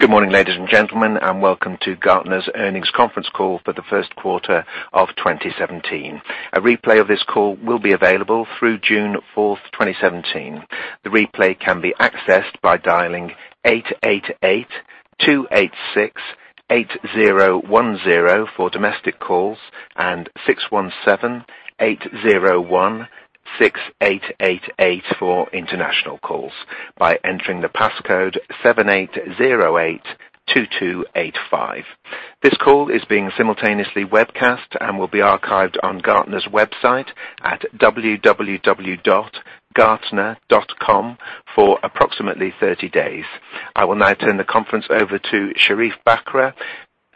Good morning, ladies and gentlemen, and welcome to Gartner's earnings conference call for the first quarter of 2017. A replay of this call will be available through June 4, 2017. This call is being simultaneously webcast and will be archived on Gartner's website at www.gartner.com for approximately 30 days. I will now turn the conference over to Sherief Bakr,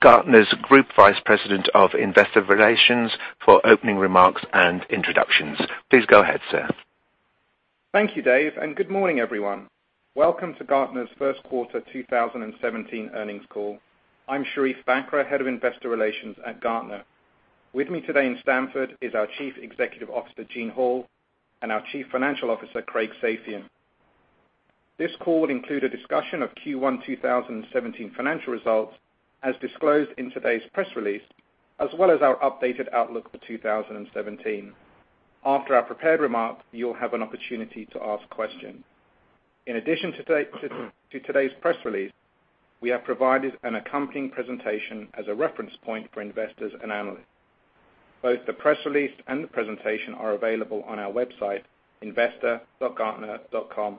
Gartner's Group Vice President of Investor Relations for opening remarks and introductions. Please go ahead, sir. Thank you, Dave, and good morning, everyone. Welcome to Gartner's first quarter 2017 earnings call. I'm Sherief Bakr, Head of Investor Relations at Gartner. With me today in Stamford is our Chief Executive Officer, Gene Hall, and our Chief Financial Officer, Craig Safian. This call will include a discussion of Q1 2017 financial results as disclosed in today's press release, as well as our updated outlook for 2017. After our prepared remarks, you'll have an opportunity to ask questions. In addition to today's press release, we have provided an accompanying presentation as a reference point for investors and analysts. Both the press release and the presentation are available on our website, investor.gartner.com.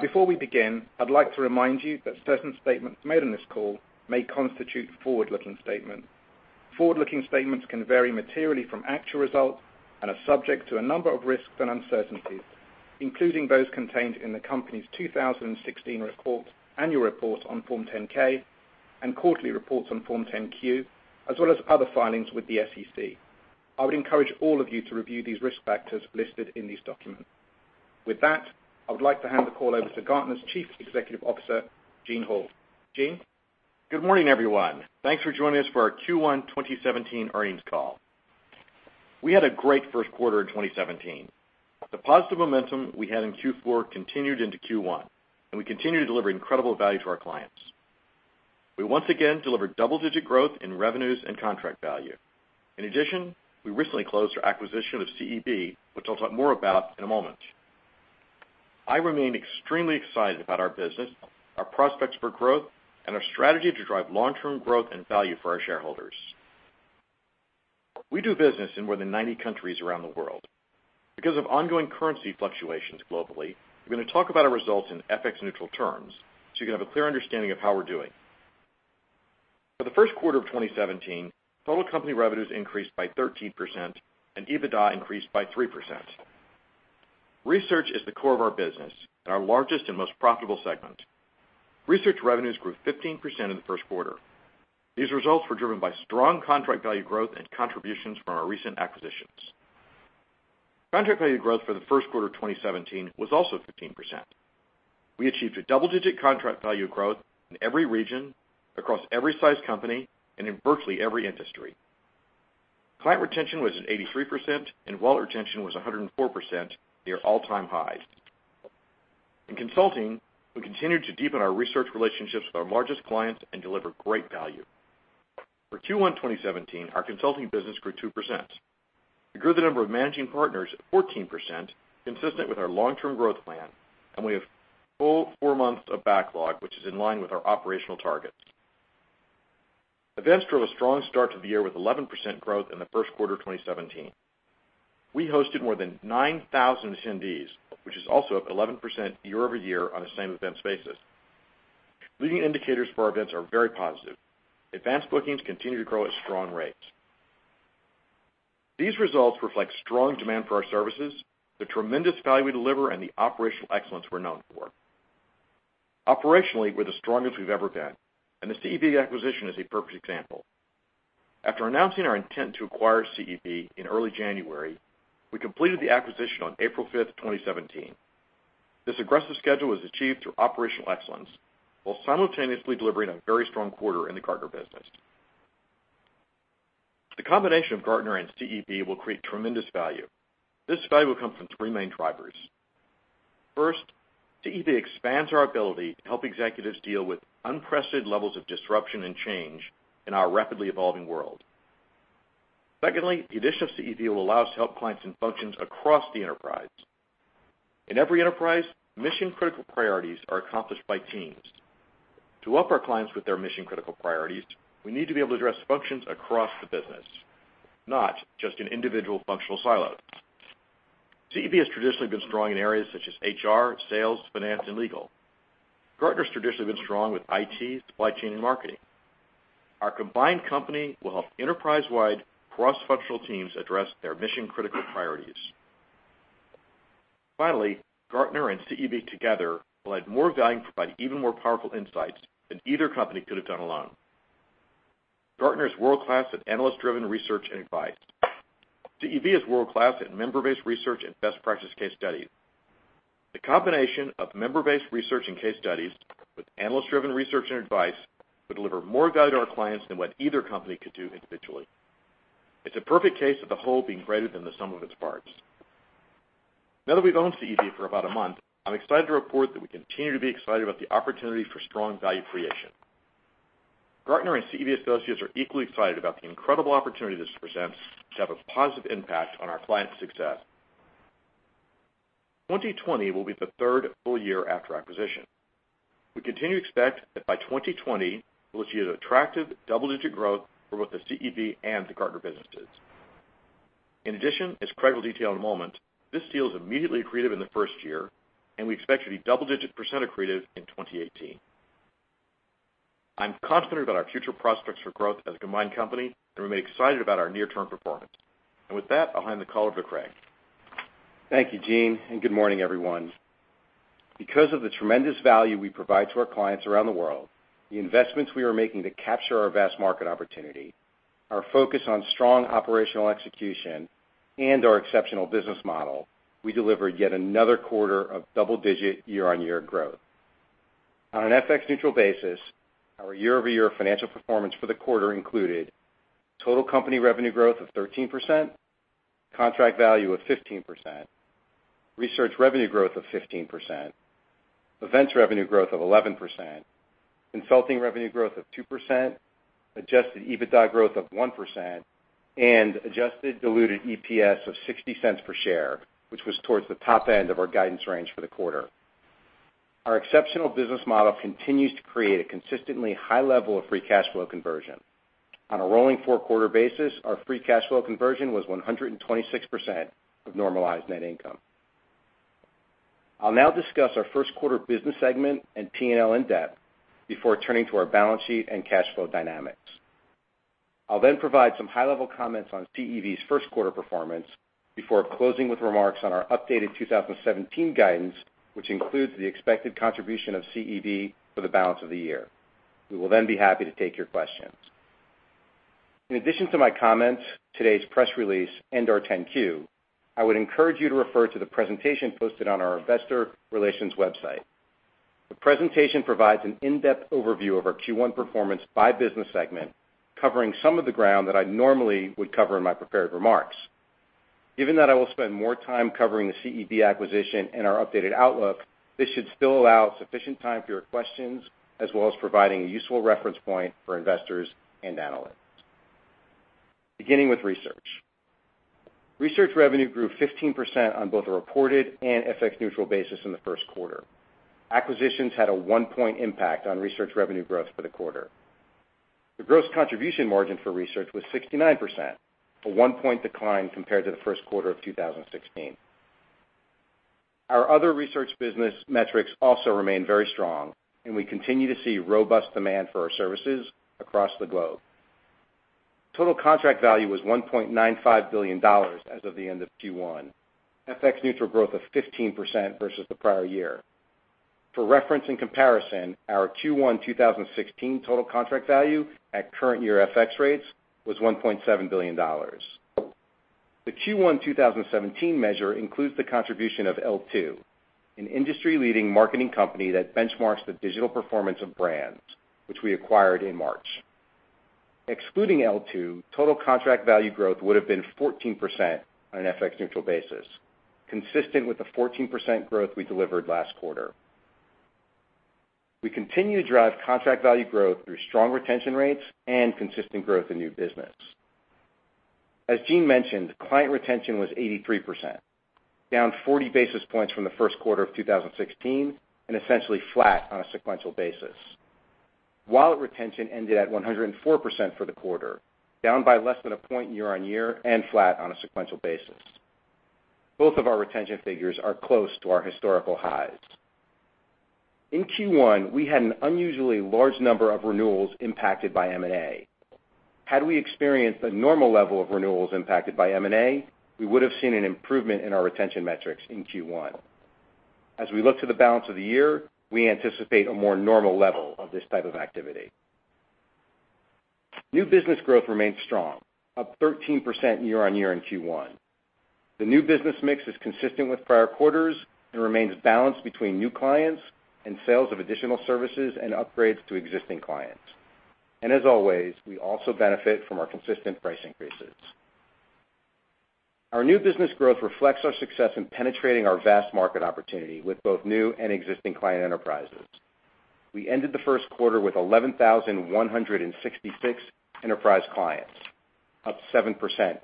Before we begin, I'd like to remind you that certain statements made on this call may constitute forward-looking statements. Forward-looking statements can vary materially from actual results and are subject to a number of risks and uncertainties, including those contained in the company's 2016 report, annual report on Form 10-K and quarterly reports on Form 10-Q, as well as other filings with the SEC. I would encourage all of you to review these risk factors listed in these documents. With that, I would like to hand the call over to Gartner's Chief Executive Officer, Gene Hall. Gene? Good morning, everyone. Thanks for joining us for our Q1 2017 earnings call. We had a great first quarter in 2017. The positive momentum we had in Q4 continued into Q1, and we continue to deliver incredible value to our clients. We once again delivered double-digit growth in revenues and contract value. In addition, we recently closed our acquisition of CEB, which I'll talk more about in a moment. I remain extremely excited about our business, our prospects for growth, and our strategy to drive long-term growth and value for our shareholders. We do business in more than 90 countries around the world. Because of ongoing currency fluctuations globally, we're gonna talk about our results in FX-neutral terms, so you can have a clear understanding of how we're doing. For the first quarter of 2017, total company revenues increased by 13% and EBITDA increased by 3%. Research is the core of our business and our largest and most profitable segment. Research revenues grew 15% in the first quarter. These results were driven by strong contract value growth and contributions from our recent acquisitions. Contract value growth for the first quarter of 2017 was also 15%. We achieved a double-digit contract value growth in every region across every size company and in virtually every industry. Client retention was at 83%, and wallet retention was 104%, near all-time highs. In consulting, we continued to deepen our research relationships with our largest clients and deliver great value. For Q1 2017, our consulting business grew 2%. We grew the number of managing partners at 14%, consistent with our long-term growth plan, and we have full four months of backlog, which is in line with our operational targets. Events drove a strong start to the year with 11% growth in the 1st quarter Of 2017. We hosted more than 9,000 attendees, which is also up 11% year-over-year on the same events basis. Leading indicators for our events are very positive. Advanced bookings continue to grow at strong rates. These results reflect strong demand for our services, the tremendous value we deliver, and the operational excellence we're known for. Operationally, we're the strongest we've ever been, and the CEB acquisition is a perfect example. After announcing our intent to acquire CEB in early January, we completed the acquisition on April 5th, 2017. This aggressive schedule was achieved through operational excellence while simultaneously delivering a very strong quarter in the Gartner business. The combination of Gartner and CEB will create tremendous value. This value will come from three main drivers. First, CEB expands our ability to help executives deal with unprecedented levels of disruption and change in our rapidly evolving world. Secondly, the addition of CEB will allow us to help clients and functions across the enterprise. In every enterprise, mission-critical priorities are accomplished by teams. To help our clients with their mission-critical priorities, we need to be able to address functions across the business, not just in individual functional silos. CEB has traditionally been strong in areas such as HR, sales, finance, and legal. Gartner's traditionally been strong with IT, supply chain, and marketing. Our combined company will help enterprise-wide cross-functional teams address their mission-critical priorities. Finally, Gartner and CEB together will add more value and provide even more powerful insights than either company could have done alone. Gartner is world-class at analyst-driven research and advice. CEB is world-class at member-based research and best practice case studies. The combination of member-based research and case studies with analyst-driven research and advice will deliver more value to our clients than what either company could do individually. It's a perfect case of the whole being greater than the sum of its parts. Now that we've owned CEB for about 1 month, I'm excited to report that we continue to be excited about the opportunity for strong value creation. Gartner and CEB associates are equally excited about the incredible opportunity this presents to have a positive impact on our clients' success. 2020 will be the third full year after acquisition. We continue to expect that by 2020, we'll achieve attractive double-digit growth for both the CEB and the Gartner businesses. In addition, as Craig will detail in a moment, this deal is immediately accretive in the first year, and we expect to be double-digit % accretive in 2018. I'm confident about our future prospects for growth as a combined company, and remain excited about our near-term performance. With that, I'll hand the call over to Craig. Thank you, Gene, and good morning, everyone. Because of the tremendous value we provide to our clients around the world, the investments we are making to capture our vast market opportunity, our focus on strong operational execution, and our exceptional business model, we delivered yet another quarter of double-digit year-on-year growth. On an FX-neutral basis, our year-over-year financial performance for the quarter included total company revenue growth of 13%, contract value of 15%, research revenue growth of 15%, events revenue growth of 11%, consulting revenue growth of 2%, adjusted EBITDA growth of 1%, and adjusted diluted EPS of $0.60 per share, which was towards the top end of our guidance range for the quarter. Our exceptional business model continues to create a consistently high level of free cash flow conversion. On a rolling four-quarter basis, our free cash flow conversion was 126% of normalized net income. I'll now discuss our first quarter business segment and P&L in depth before turning to our balance sheet and cash flow dynamics. I'll then provide some high-level comments on CEB's first quarter performance before closing with remarks on our updated 2017 guidance, which includes the expected contribution of CEB for the balance of the year. We will be happy to take your questions. In addition to my comments, today's press release, and our 10-Q, I would encourage you to refer to the presentation posted on our investor relations website. The presentation provides an in-depth overview of our Q1 performance by business segment, covering some of the ground that I normally would cover in my prepared remarks. Given that I will spend more time covering the CEB acquisition and our updated outlook, this should still allow sufficient time for your questions, as well as providing a useful reference point for investors and analysts. Beginning with Research. Research revenue grew 15% on both a reported and FX-neutral basis in the first quarter. Acquisitions had a 1-point impact on research revenue growth for the quarter. The gross contribution margin for research was 69%, a 1-point decline compared to the first quarter of 2016. Our other research business metrics also remain very strong, we continue to see robust demand for our services across the globe. Total contract value was $1.95 billion as of the end of Q1, FX-neutral growth of 15% versus the prior year. For reference and comparison, our Q1 2016 total contract value at current year FX rates was $1.7 billion. The Q1 2017 measure includes the contribution of L2, an industry-leading marketing company that benchmarks the digital performance of brands, which we acquired in March. Excluding L2, total contract value growth would have been 14% on an FX-neutral basis, consistent with the 14% growth we delivered last quarter. We continue to drive contract value growth through strong retention rates and consistent growth in new business. As Gene mentioned, client retention was 83%, down 40 basis points from the first quarter of 2016, and essentially flat on a sequential basis. Wallet retention ended at 104% for the quarter, down by less than one point year-on-year and flat on a sequential basis. Both of our retention figures are close to our historical highs. In Q1, we had an unusually large number of renewals impacted by M&A. Had we experienced a normal level of renewals impacted by M&A, we would have seen an improvement in our retention metrics in Q1. As we look to the balance of the year, we anticipate a more normal level of this type of activity. New business growth remains strong, up 13% year-on-year in Q1. The new business mix is consistent with prior quarters and remains balanced between new clients and sales of additional services and upgrades to existing clients. As always, we also benefit from our consistent price increases. Our new business growth reflects our success in penetrating our vast market opportunity with both new and existing client enterprises. We ended the first quarter with 11,166 enterprise clients, up 7%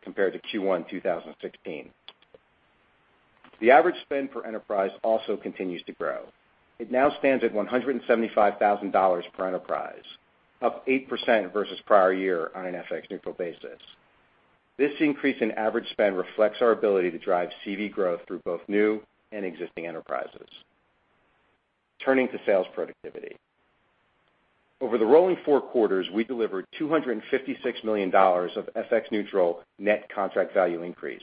compared to Q1 2016. The average spend per enterprise also continues to grow. It now stands at $175,000 per enterprise, up 8% versus prior year on an FX-neutral basis. This increase in average spend reflects our ability to drive CV growth through both new and existing enterprises. Turning to sales productivity. Over the rolling four quarters, we delivered $256 million of FX-neutral net contract value increase.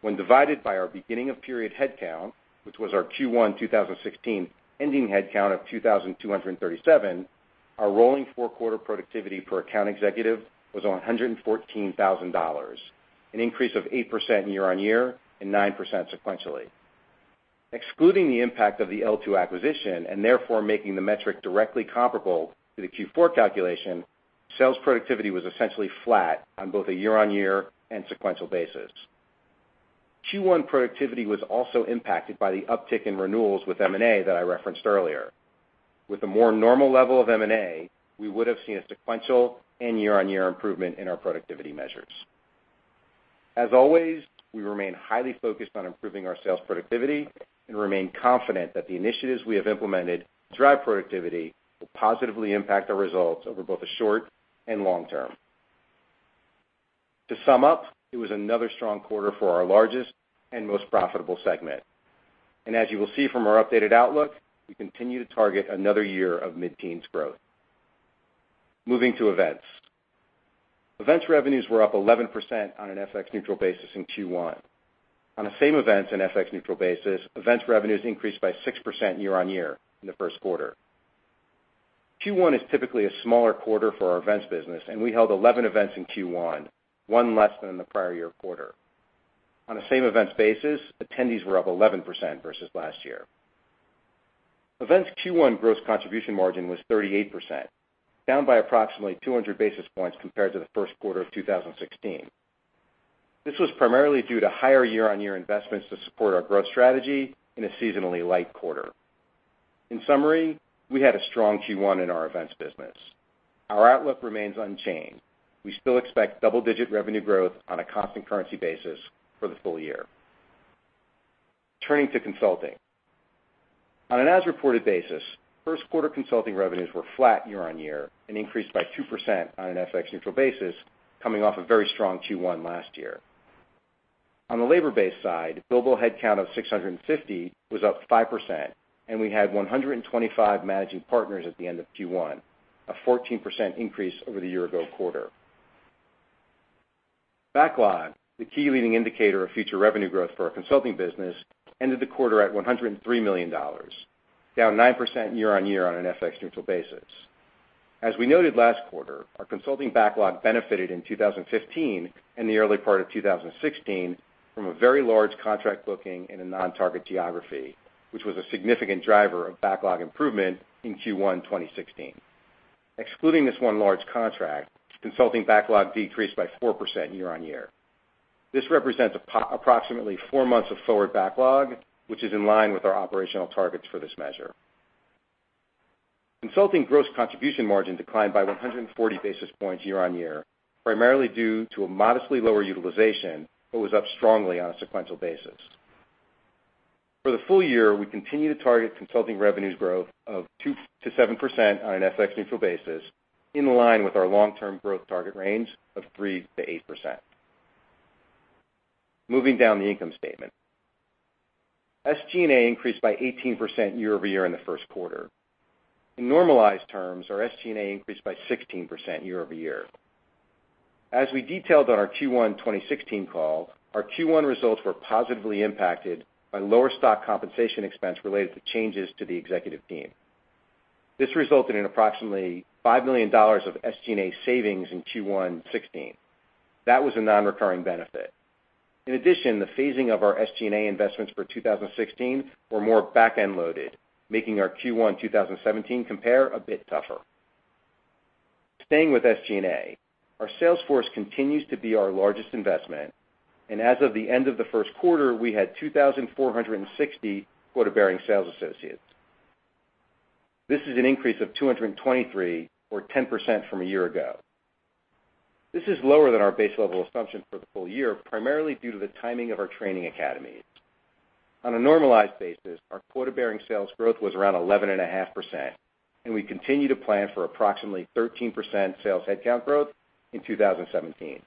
When divided by our beginning-of-period headcount, which was our Q1 2016 ending headcount of 2,237, our rolling four-quarter productivity per account executive was $114,000, an increase of 8% year-on-year and 9% sequentially. Excluding the impact of the L2 acquisition, and therefore making the metric directly comparable to the Q4 calculation, sales productivity was essentially flat on both a year-on-year and sequential basis. Q1 productivity was also impacted by the uptick in renewals with M&A that I referenced earlier. With a more normal level of M&A, we would have seen a sequential and year-on-year improvement in our productivity measures. As always, we remain highly focused on improving our sales productivity and remain confident that the initiatives we have implemented to drive productivity will positively impact our results over both the short and long term. To sum up, it was another strong quarter for our largest and most profitable segment. As you will see from our updated outlook, we continue to target another year of mid-teens growth. Moving to Events. Events revenues were up 11% on an FX-neutral basis in Q1. On a same event and FX-neutral basis, Events revenues increased by 6% year-on-year in the first quarter. Q1 is typically a smaller quarter for our Events business, and we held 11 events in Q1, one less than in the prior year quarter. On a same events basis, attendees were up 11% versus last year. Events Q1 gross contribution margin was 38%, down by approximately 200 basis points compared to the first quarter of 2016. This was primarily due to higher year-on-year investments to support our growth strategy in a seasonally light quarter. In summary, we had a strong Q1 in our Events business. Our outlook remains unchanged. We still expect double-digit revenue growth on a constant currency basis for the full year. Turning to Consulting. On an as-reported basis, first quarter Consulting revenues were flat year-on-year and increased by 2% on an FX-neutral basis coming off a very strong Q1 last year. On the labor-based side, billable headcount of 650 was up 5%, and we had 125 managing partners at the end of Q1, a 14% increase over the year-ago quarter. Backlog, the key leading indicator of future revenue growth for our Consulting business, ended the quarter at $103 million, down 9% year-on-year on an FX-neutral basis. As we noted last quarter, our Consulting backlog benefited in 2015 and the early part of 2016 from a very large contract booking in a non-target geography, which was a significant driver of backlog improvement in Q1 2016. Excluding this one large contract, Consulting backlog decreased by 4% year-on-year. This represents approximately four months of forward backlog, which is in line with our operational targets for this measure. Consulting gross contribution margin declined by 140 basis points year-on-year, primarily due to a modestly lower utilization, but was up strongly on a sequential basis. For the full year, we continue to target Consulting revenues growth of 2%-7% on an FX-neutral basis, in line with our long-term growth target range of 3%-8%. Moving down the income statement. SG&A increased by 18% year-over-year in the first quarter. In normalized terms, our SG&A increased by 16% year-over-year. As we detailed on our Q1 2016 call, our Q1 results were positively impacted by lower stock compensation expense related to changes to the executive team. This resulted in approximately $5 million of SG&A savings in Q1 2016. That was a non-recurring benefit. In addition, the phasing of our SG&A investments for 2016 were more back-end loaded, making our Q1 2017 compare a bit tougher. Staying with SG&A, our sales force continues to be our largest investment, and as of the end of the first quarter, we had 2,460 quota-bearing sales associates. This is an increase of 223 or 10% from a year ago. This is lower than our base level assumption for the full year, primarily due to the timing of our training academies. On a normalized basis, our quota-bearing sales growth was around 11.5%, and we continue to plan for approximately 13% sales headcount growth in 2017.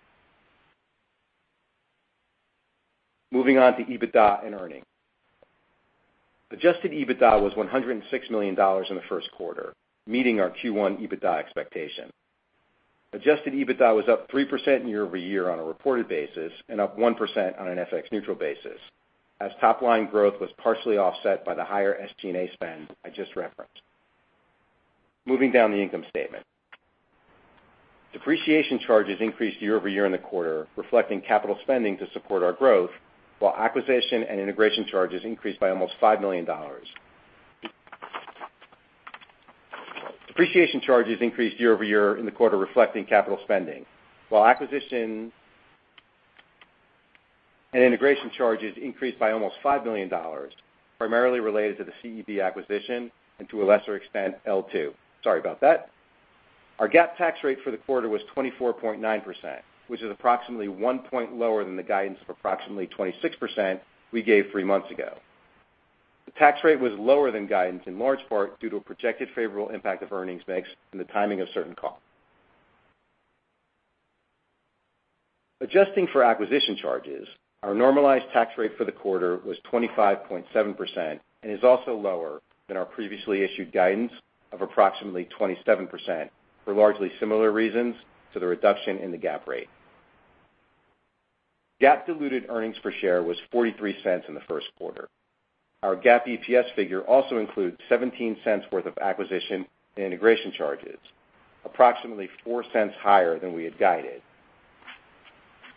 Moving on to EBITDA and earnings. Adjusted EBITDA was $106 million in the first quarter, meeting our Q1 EBITDA expectation. Adjusted EBITDA was up 3% year-over-year on a reported basis and up 1% on an FX-neutral basis, as top line growth was partially offset by the higher SG&A spend I just referenced. Moving down the income statement. Depreciation charges increased year-over-year in the quarter, reflecting capital spending to support our growth, while acquisition and integration charges increased by almost $5 million. Depreciation charges increased year-over-year in the quarter reflecting capital spending, while acquisition and integration charges increased by almost $5 million, primarily related to the CEB acquisition and to a lesser extent, L2. Sorry about that. Our GAAP tax rate for the quarter was 24.9%, which is approximately one point lower than the guidance of approximately 26% we gave three months ago. The tax rate was lower than guidance in large part due to a projected favorable impact of earnings mix and the timing of certain costs. Adjusting for acquisition charges, our normalized tax rate for the quarter was 25.7% and is also lower than our previously issued guidance of approximately 27% for largely similar reasons to the reduction in the GAAP rate. GAAP diluted earnings per share was $0.43 in the first quarter. Our GAAP EPS figure also includes $0.17 worth of acquisition and integration charges, approximately $0.04 higher than we had guided.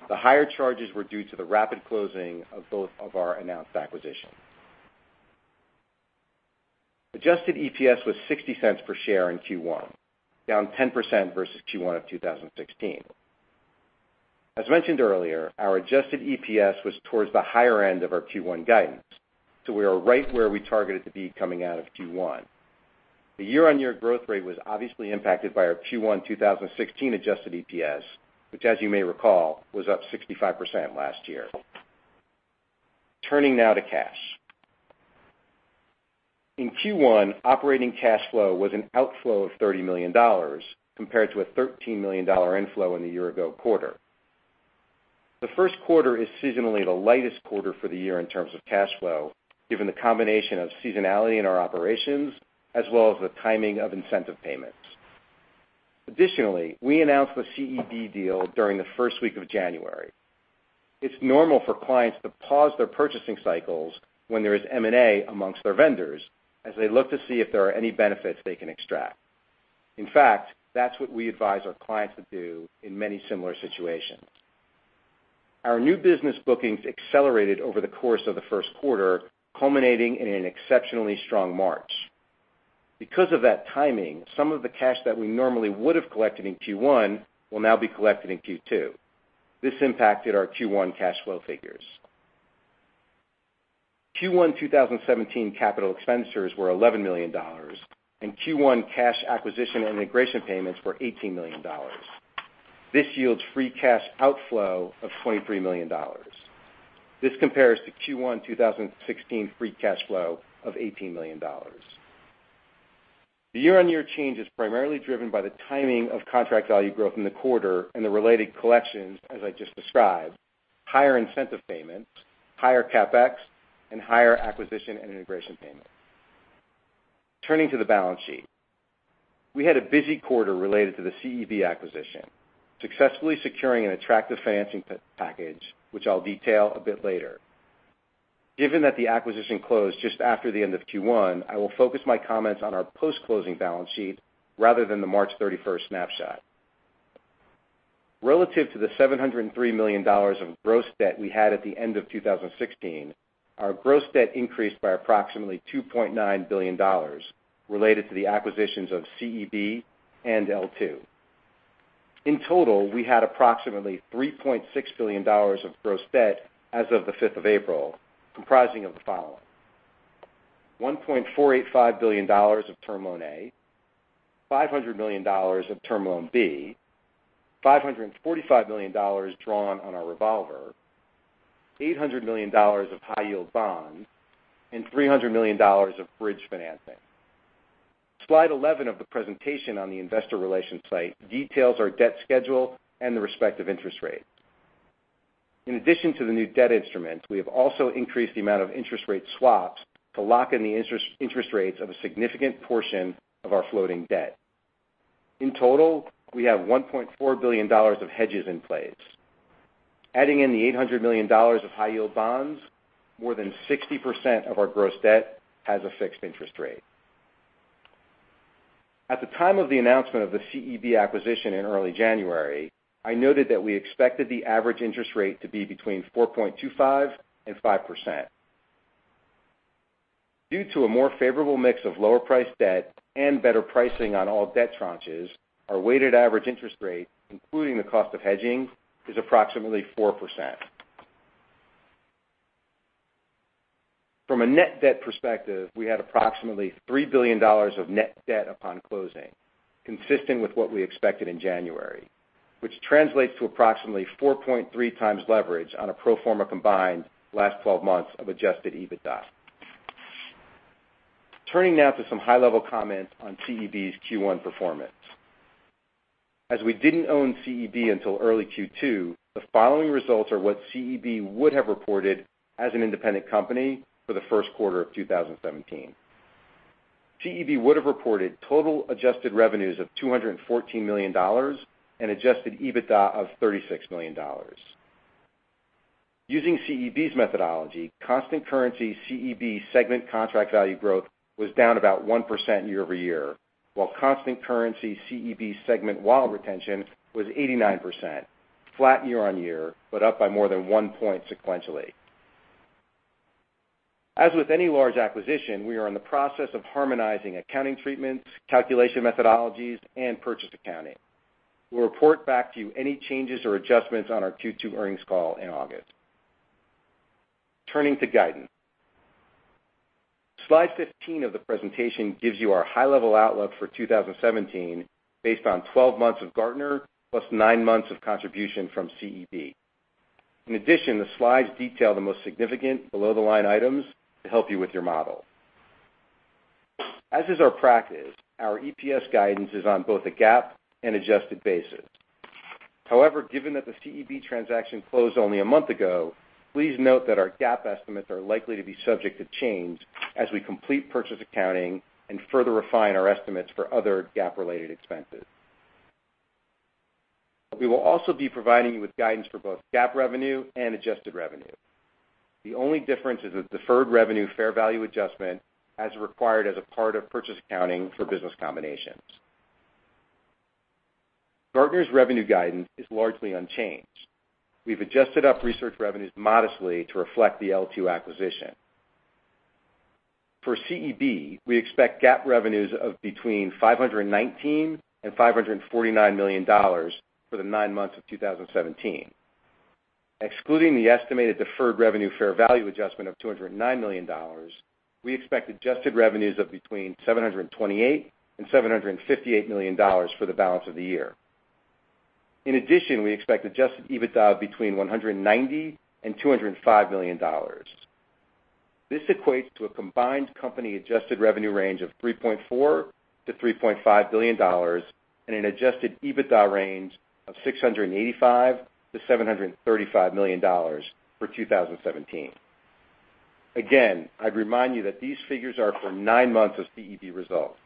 The higher charges were due to the rapid closing of both of our announced acquisitions. Adjusted EPS was $0.60 per share in Q1, down 10% versus Q1 2016. As mentioned earlier, our adjusted EPS was towards the higher end of our Q1 guidance, so we are right where we targeted to be coming out of Q1. The year-on-year growth rate was obviously impacted by our Q1 2016 adjusted EPS, which as you may recall, was up 65% last year. Turning now to cash. In Q1, operating cash flow was an outflow of $30 million compared to a $13 million inflow in the year ago quarter. The first quarter is seasonally the lightest quarter for the year in terms of cash flow, given the combination of seasonality in our operations as well as the timing of incentive payments. We announced the CEB deal during the first week of January. It's normal for clients to pause their purchasing cycles when there is M&A amongst their vendors, as they look to see if there are any benefits they can extract. That's what we advise our clients to do in many similar situations. Our new business bookings accelerated over the course of the first quarter, culminating in an exceptionally strong March. Some of the cash that we normally would have collected in Q1 will now be collected in Q2. This impacted our Q1 cash flow figures. Q1 2017 capital expenditures were $11 million, and Q1 cash acquisition and integration payments were $18 million. This yields free cash outflow of $23 million. This compares to Q1 2016 free cash flow of $18 million. The year-on-year change is primarily driven by the timing of contract value growth in the quarter and the related collections, as I just described, higher incentive payments, higher CapEx, and higher acquisition and integration payments. Turning to the balance sheet. We had a busy quarter related to the CEB acquisition, successfully securing an attractive financing package, which I'll detail a bit later. Given that the acquisition closed just after the end of Q1, I will focus my comments on our post-closing balance sheet rather than the March 31st snapshot. Relative to the $703 million of gross debt we had at the end of 2016, our gross debt increased by approximately $2.9 billion related to the acquisitions of CEB and L2. In total, we had approximately $3.6 billion of gross debt as of the 5th of April, comprising of the following. $1.485 billion of Term Loan A, $500 million of Term Loan B, $545 million drawn on our revolver, $800 million of high-yield bonds, and $300 million of bridge financing. Slide 11 of the presentation on the investor relations site details our debt schedule and the respective interest rates. In addition to the new debt instruments, we have also increased the amount of interest rate swaps to lock in the interest rates of a significant portion of our floating debt. In total, we have $1.4 billion of hedges in place. Adding in the $800 million of high-yield bonds, more than 60% of our gross debt has a fixed interest rate. At the time of the announcement of the CEB acquisition in early January, I noted that we expected the average interest rate to be between 4.25% and 5%. Due to a more favorable mix of lower priced debt and better pricing on all debt tranches, our weighted average interest rate, including the cost of hedging, is approximately 4%. From a net debt perspective, we had approximately $3 billion of net debt upon closing, consistent with what we expected in January, which translates to approximately 4.3x leverage on a pro forma combined last 12 months of adjusted EBITDA. Turning now to some high-level comments on CEB's Q1 performance. As we didn't own CEB until early Q2, the following results are what CEB would have reported as an independent company for the first quarter of 2017. CEB would have reported total adjusted revenues of $214 million and adjusted EBITDA of $36 million. Using CEB's methodology, constant currency CEB segment contract value growth was down about 1% year-over-year, while constant currency CEB segment wallet retention was 89%, flat year-on-year, but up by more than one point sequentially. As with any large acquisition, we are in the process of harmonizing accounting treatments, calculation methodologies, and purchase accounting. We'll report back to you any changes or adjustments on our Q2 earnings call in August. Turning to guidance. Slide 15 of the presentation gives you our high-level outlook for 2017 based on 12 months of Gartner plus nine months of contribution from CEB. In addition, the slides detail the most significant below-the-line items to help you with your model. As is our practice, our EPS guidance is on both a GAAP and adjusted basis. However, given that the CEB transaction closed only a month ago, please note that our GAAP estimates are likely to be subject to change as we complete purchase accounting and further refine our estimates for other GAAP-related expenses. We will also be providing you with guidance for both GAAP revenue and adjusted revenue. The only difference is a deferred revenue fair value adjustment as required as a part of purchase accounting for business combinations. Gartner's revenue guidance is largely unchanged. We've adjusted up research revenues modestly to reflect the L2 acquisition. For CEB, we expect GAAP revenues of between $519 million and $549 million for the nine months of 2017. Excluding the estimated deferred revenue fair value adjustment of $209 million, we expect adjusted revenues of between $728 million and $758 million for the balance of the year. In addition, we expect adjusted EBITDA between $190 million and $205 million. This equates to a combined company adjusted revenue range of $3.4 billion-$3.5 billion and an adjusted EBITDA range of $685 million-$735 million for 2017. I'd remind you that these figures are for nine months of CEB results.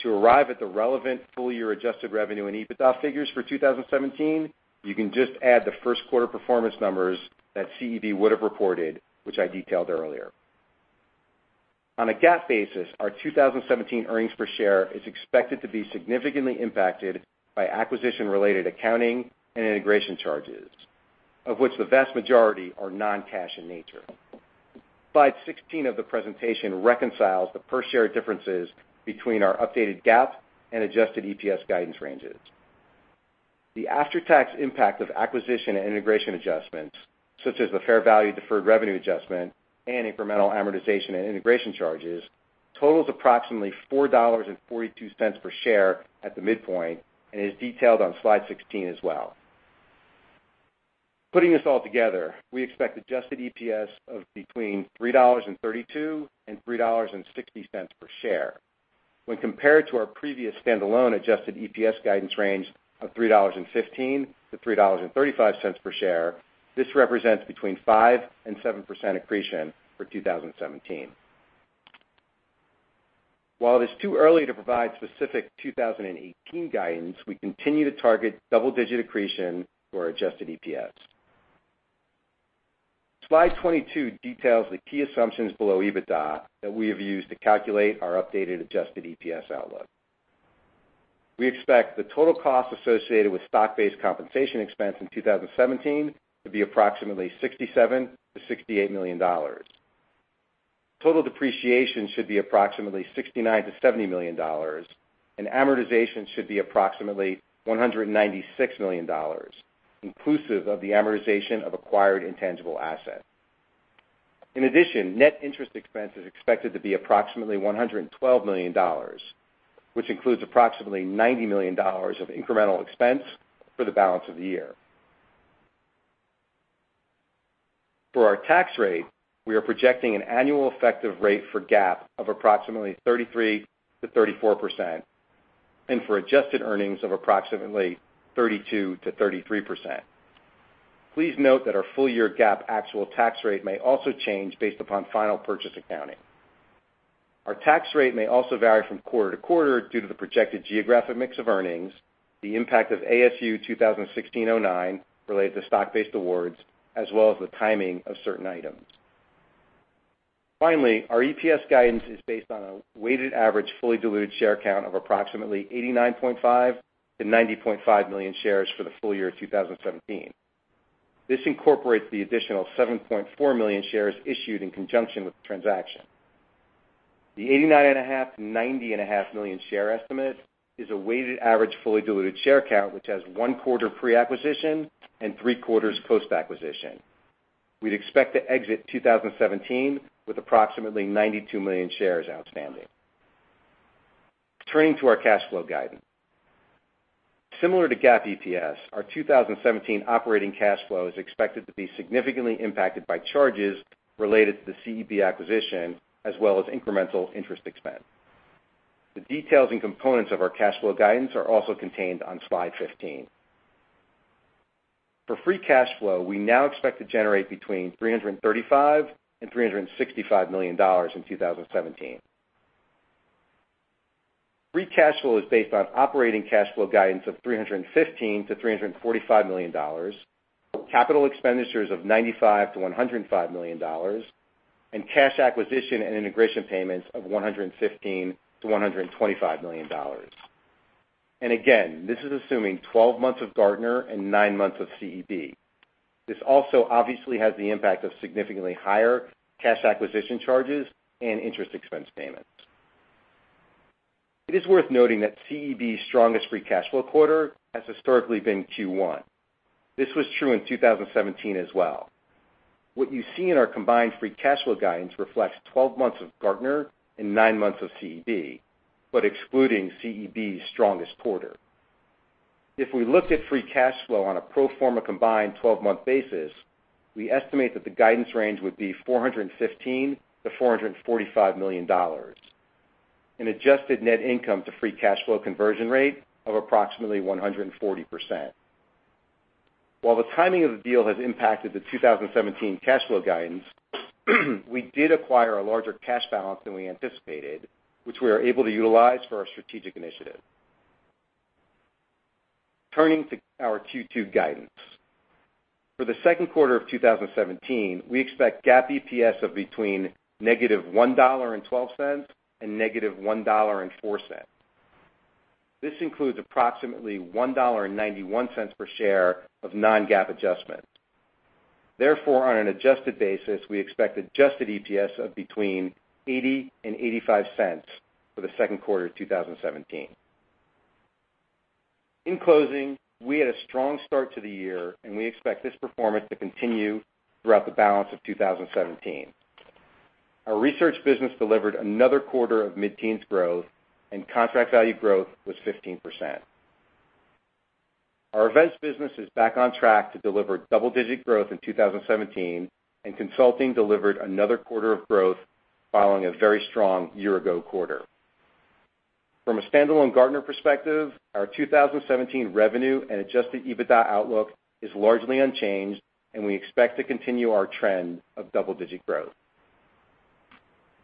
To arrive at the relevant full year adjusted revenue and EBITDA figures for 2017, you can just add the first quarter performance numbers that CEB would have reported, which I detailed earlier. On a GAAP basis, our 2017 earnings per share is expected to be significantly impacted by acquisition-related accounting and integration charges, of which the vast majority are non-cash in nature. Slide 16 of the presentation reconciles the per share differences between our updated GAAP and adjusted EPS guidance ranges. The after-tax impact of acquisition and integration adjustments, such as the fair value deferred revenue adjustment and incremental amortization and integration charges, totals approximately $4.42 per share at the midpoint and is detailed on slide 16 as well. Putting this all together, we expect adjusted EPS of between $3.32 and $3.60 per share. When compared to our previous standalone adjusted EPS guidance range of $3.15 to $3.35 per share, this represents between 5% and 7% accretion for 2017. While it's too early to provide specific 2018 guidance, we continue to target double-digit accretion for our adjusted EPS. Slide 22 details the key assumptions below EBITDA that we have used to calculate our updated adjusted EPS outlook. We expect the total cost associated with stock-based compensation expense in 2017 to be approximately $67 million-$68 million. Total depreciation should be approximately $69 million-$70 million, and amortization should be approximately $196 million, inclusive of the amortization of acquired intangible assets. In addition, net interest expense is expected to be approximately $112 million, which includes approximately $90 million of incremental expense for the balance of the year. For our tax rate, we are projecting an annual effective rate for GAAP of approximately 33%-34% and for adjusted earnings of approximately 32%-33%. Please note that our full year GAAP actual tax rate may also change based upon final purchase accounting. Our tax rate may also vary from quarter to quarter due to the projected geographic mix of earnings, the impact of ASU 2016-09 related to stock-based awards, as well as the timing of certain items. Finally, our EPS guidance is based on a weighted average fully diluted share count of approximately 89.5 to 90.5 million shares for the full year of 2017. This incorporates the additional 7.4 million shares issued in conjunction with the transaction. The 89.5 to 90.5 million share estimate is a weighted average fully diluted share count, which has one quarter pre-acquisition and three quarters post-acquisition. We'd expect to exit 2017 with approximately 92 million shares outstanding. Turning to our cash flow guidance. Similar to GAAP EPS, our 2017 operating cash flow is expected to be significantly impacted by charges related to the CEB acquisition as well as incremental interest expense. The details and components of our cash flow guidance are also contained on slide 15. For free cash flow, we now expect to generate between $335 million and $365 million in 2017. Free cash flow is based on operating cash flow guidance of $315 million-$345 million, capital expenditures of $95 million-$105 million, and cash acquisition and integration payments of $115 million-$125 million. Again, this is assuming 12 months of Gartner and nine months of CEB. This also obviously has the impact of significantly higher cash acquisition charges and interest expense payments. It is worth noting that CEB's strongest free cash flow quarter has historically been Q1. This was true in 2017 as well. What you see in our combined free cash flow guidance reflects 12 months of Gartner and nine months of CEB, but excluding CEB's strongest quarter. If we looked at free cash flow on a pro forma combined 12-month basis, we estimate that the guidance range would be $415 million-$445 million, an adjusted net income to free cash flow conversion rate of approximately 140%. While the timing of the deal has impacted the 2017 cash flow guidance, we did acquire a larger cash balance than we anticipated, which we are able to utilize for our strategic initiative. Turning to our Q2 guidance. For the second quarter of 2017, we expect GAAP EPS of between negative $1.12 and negative $1.04. This includes approximately $1.91 per share of non-GAAP adjustments. On an adjusted basis, we expect adjusted EPS of between $0.80 and $0.85 for the second quarter of 2017. In closing, we had a strong start to the year, and we expect this performance to continue throughout the balance of 2017. Our research business delivered another quarter of mid-teens growth and contract value growth was 15%. Our events business is back on track to deliver double-digit growth in 2017. Consulting delivered another quarter of growth following a very strong year-ago quarter. From a standalone Gartner perspective, our 2017 revenue and adjusted EBITDA outlook is largely unchanged. We expect to continue our trend of double-digit growth.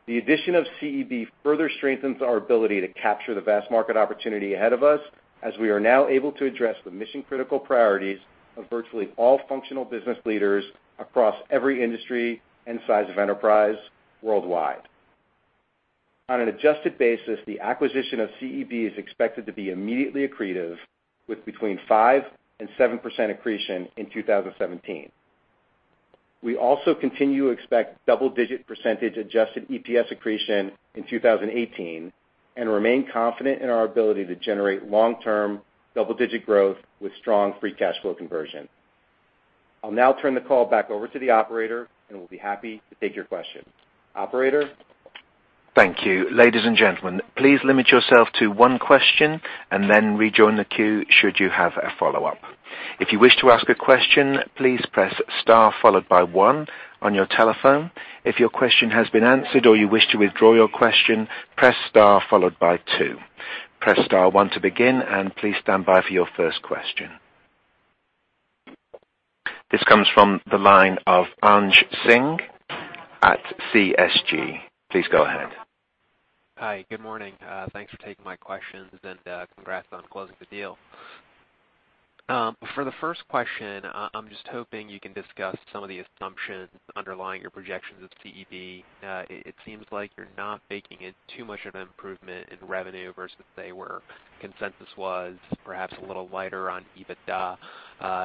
The addition of CEB further strengthens our ability to capture the vast market opportunity ahead of us, as we are now able to address the mission-critical priorities of virtually all functional business leaders across every industry and size of enterprise worldwide. On an adjusted basis, the acquisition of CEB is expected to be immediately accretive, with between 5% and 7% accretion in 2017. We also continue to expect double-digit percentage adjusted EPS accretion in 2018 and remain confident in our ability to generate long-term double-digit growth with strong free cash flow conversion. I'll now turn the call back over to the operator, and we'll be happy to take your questions. Operator? Thank you. Ladies and gentlemen, please limit yourself to one question and then rejoin the queue should you have a follow-up. If you wish to ask a question, please press star followed by one on your telephone. If your question has been answered or you wish to withdraw your question, press star followed by two. Press star one to begin, and please stand by for your first question. This comes from the line of Anj Singh at CSG. Please go ahead. Hi. Good morning. Thanks for taking my questions, and congrats on closing the deal. For the first question, I'm just hoping you can discuss some of the assumptions underlying your projections of CEB. It seems like you're not baking in too much of an improvement in revenue versus say where consensus was, perhaps a little lighter on EBITDA.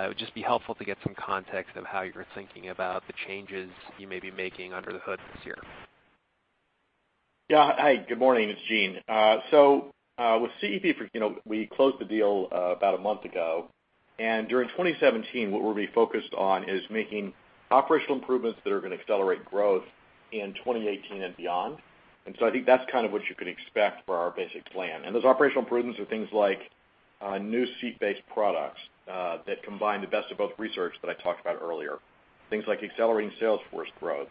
It would just be helpful to get some context of how you're thinking about the changes you may be making under the hood this year. Hi, good morning. It's Gene. With CEB, for, you know, we closed the deal about a month ago. During 2017, what we'll be focused on is making operational improvements that are gonna accelerate growth in 2018 and beyond. I think that's kind of what you can expect for our basic plan. Those operational improvements are things like new seat-based products that combine the best of both research that I talked about earlier. Things like accelerating sales force growth,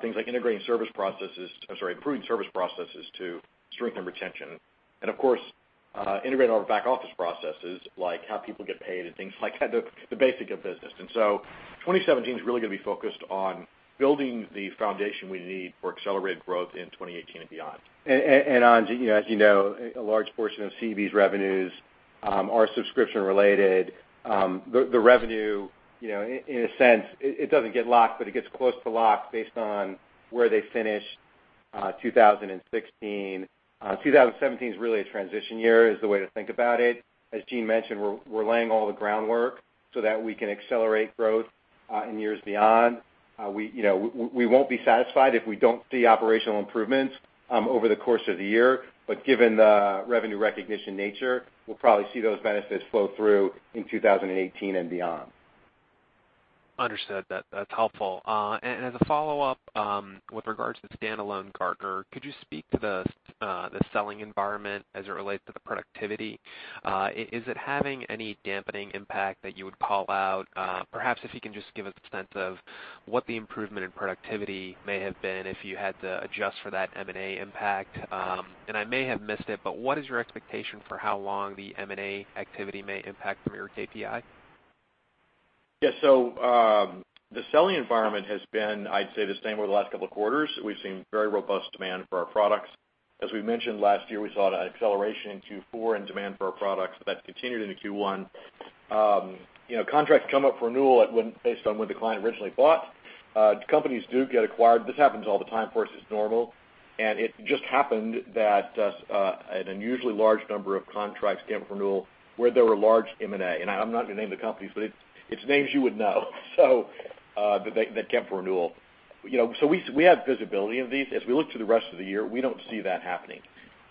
things like integrating service processes, or sorry, improving service processes to strengthen retention, and of course, integrating our back-office processes, like how people get paid and things like that, the basic of business. 2017 is really gonna be focused on building the foundation we need for accelerated growth in 2018 and beyond. Anj, you know, as you know, a large portion of CEB's revenues are subscription-related. The revenue, you know, in a sense, it doesn't get locked, but it gets close to locked based on where they finish 2016. 2017 is really a transition year, is the way to think about it. As Gene mentioned, we're laying all the groundwork so that we can accelerate growth in years beyond. We, you know, we won't be satisfied if we don't see operational improvements over the course of the year. Given the revenue recognition nature, we'll probably see those benefits flow through in 2018 and beyond. Understood. That's helpful. As a follow-up, with regards to standalone Gartner, could you speak to the selling environment as it relates to the productivity? Is it having any dampening impact that you would call out? Perhaps if you can just give a sense of what the improvement in productivity may have been if you had to adjust for that M&A impact. I may have missed it, but what is your expectation for how long the M&A activity may impact from your KPI? Yeah. The selling environment has been, I'd say, the same over the last couple of quarters. We've seen very robust demand for our products. As we mentioned last year, we saw an acceleration in Q4 in demand for our products. That's continued into Q1. You know, contracts come up for renewal based on when the client originally bought. Companies do get acquired. This happens all the time for us. It's normal. It just happened that an unusually large number of contracts came up for renewal where there were large M&A. I'm not gonna name the companies, but it's names you would know, so that came up for renewal. You know, so we have visibility of these. As we look to the rest of the year, we don't see that happening.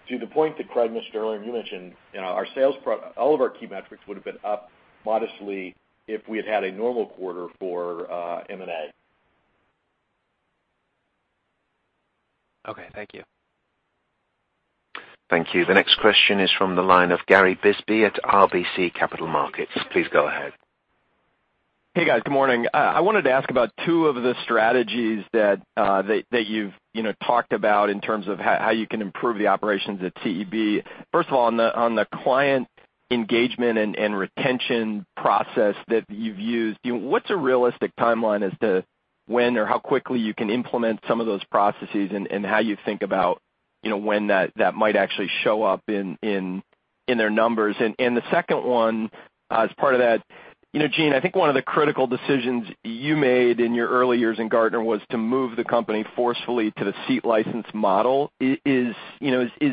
To the point that Craig, you mentioned, you know, our sales all of our key metrics would have been up modestly if we had had a normal quarter for M&A. Okay. Thank you. Thank you. The next question is from the line of Gary Bisbee at RBC Capital Markets. Please go ahead. Hey, guys. Good morning. I wanted to ask about two of the strategies that you've, you know, talked about in terms of how you can improve the operations at CEB. First of all, on the client engagement and retention process that you've used, you know, what's a realistic timeline as to when or how quickly you can implement some of those processes and how you think about, you know, when that might actually show up in their numbers. The second one, as part of that, you know, Gene, I think one of the critical decisions you made in your early years in Gartner was to move the company forcefully to the seat license model. Is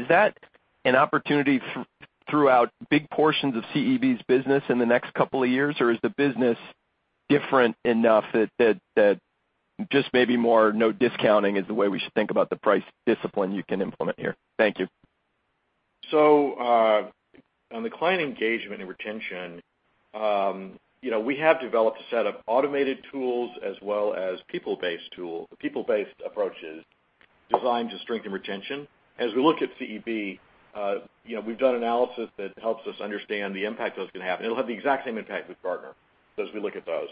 that an opportunity throughout big portions of CEB's business in the next couple of years? Is the business different enough that just maybe more no discounting is the way we should think about the price discipline you can implement here? Thank you. On the client engagement and retention, you know, we have developed a set of automated tools as well as people-based approaches designed to strengthen retention. As we look at CEB, you know, we've done analysis that helps us understand the impact those can have, and it'll have the exact same impact with Gartner as we look at those.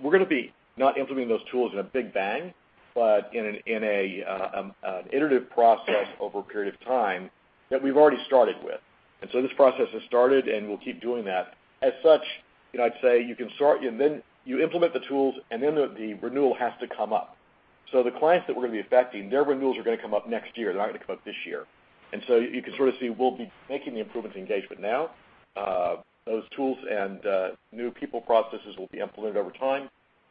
We're gonna be not implementing those tools in a big bang, but in an iterative process over a period of time that we've already started with. This process has started, and we'll keep doing that. As such, you know, I'd say you can start, and then you implement the tools, and then the renewal has to come up. The clients that we're gonna be affecting, their renewals are gonna come up next year. They're not gonna come up this year. You can sort of see we'll be making the improvements in engagement now. Those tools and new people processes will be implemented over time,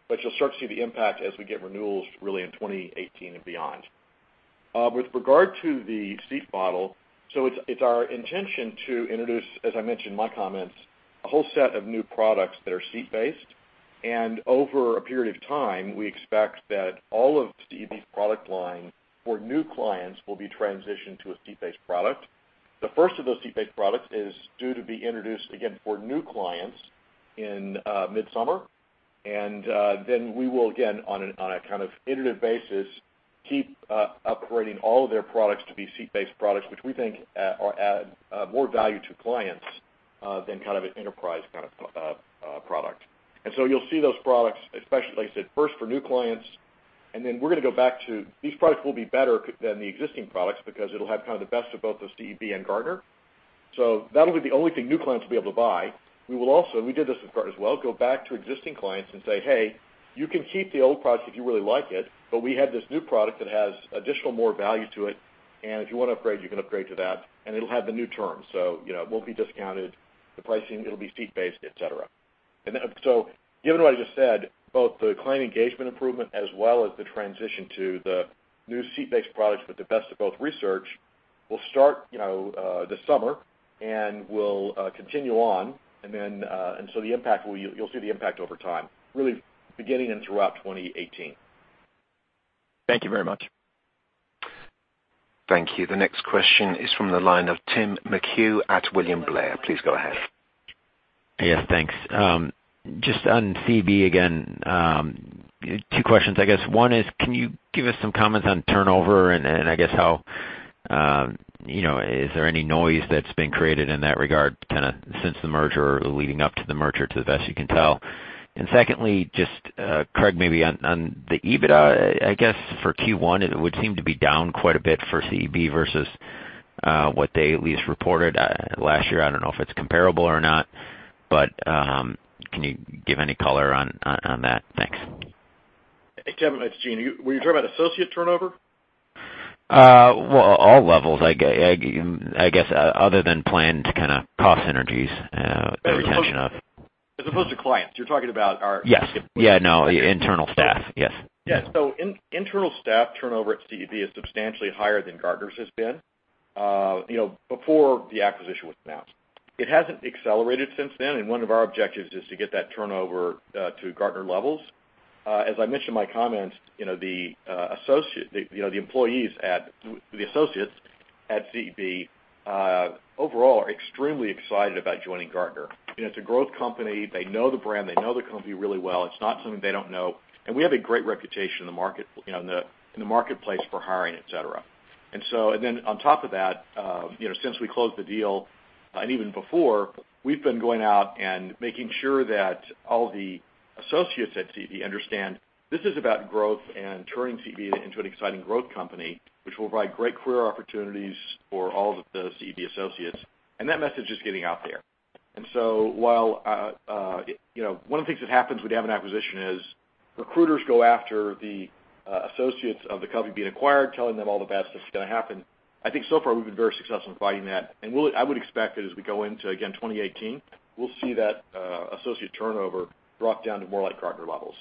but you'll start to see the impact as we get renewals really in 2018 and beyond. With regard to the seat model, it's our intention to introduce, as I mentioned in my comments, a whole set of new products that are seat-based. Over a period of time, we expect that all of CEB's product line for new clients will be transitioned to a seat-based product. The first of those seat-based products is due to be introduced, again, for new clients in midsummer. Then we will again, on an iterative basis, keep upgrading all of their products to be seat-based products, which we think add more value to clients than kind of an enterprise kind of product. You'll see those products, especially, like I said, first for new clients, and then we're gonna go back to these products will be better than the existing products because it'll have kind of the best of both those CEB and Gartner. That'll be the only thing new clients will be able to buy. We will also, we did this with Gartner as well, go back to existing clients and say, "Hey, you can keep the old product if you really like it, but we have this new product that has additional more value to it. If you want to upgrade, you can upgrade to that, and it'll have the new terms. You know, it won't be discounted. The pricing, it'll be seat-based, et cetera. Given what I just said, both the client engagement improvement as well as the transition to the new seat-based products with the best of both research will start, you know, this summer and will continue on. You'll see the impact over time, really beginning and throughout 2018. Thank you very much. Thank you. The next question is from the line of Tim McHugh at William Blair. Please go ahead. Yes, thanks. Just on CEB again, two questions, I guess. One is can you give us some comments on turnover and I guess how, you know, is there any noise that's been created in that regard kinda since the merger or leading up to the merger to the best you can tell? Secondly, just Craig, maybe on the EBITDA, I guess, for Q1, it would seem to be down quite a bit for CEB versus what they at least reported last year. I don't know if it's comparable or not, but can you give any color on that? Thanks. Tim, it's Gene. Were you talking about associate turnover? Well, all levels I guess, other than planned kinda cost synergies, retention of. As opposed to clients. Yes. Yeah, no, internal staff. Yes. Internal staff turnover at CEB is substantially higher than Gartner's has been, you know, before the acquisition was announced. It hasn't accelerated since then, one of our objectives is to get that turnover to Gartner levels. As I mentioned in my comments, you know, the associates at CEB overall are extremely excited about joining Gartner. You know, it's a growth company. They know the brand. They know the company really well. It's not something they don't know. We have a great reputation in the market, you know, in the marketplace for hiring, et cetera. Then on top of that, you know, since we closed the deal, and even before, we've been going out and making sure that all the associates at CEB understand this is about growth and turning CEB into an exciting growth company, which will provide great career opportunities for all of the CEB associates. That message is getting out there. While, you know, one of the things that happens when you have an acquisition is recruiters go after the associates of the company being acquired, telling them all the bad stuff that's gonna happen. I think so far we've been very successful in fighting that. I would expect that as we go into, again, 2018, we'll see that associate turnover drop down to more like Gartner levels.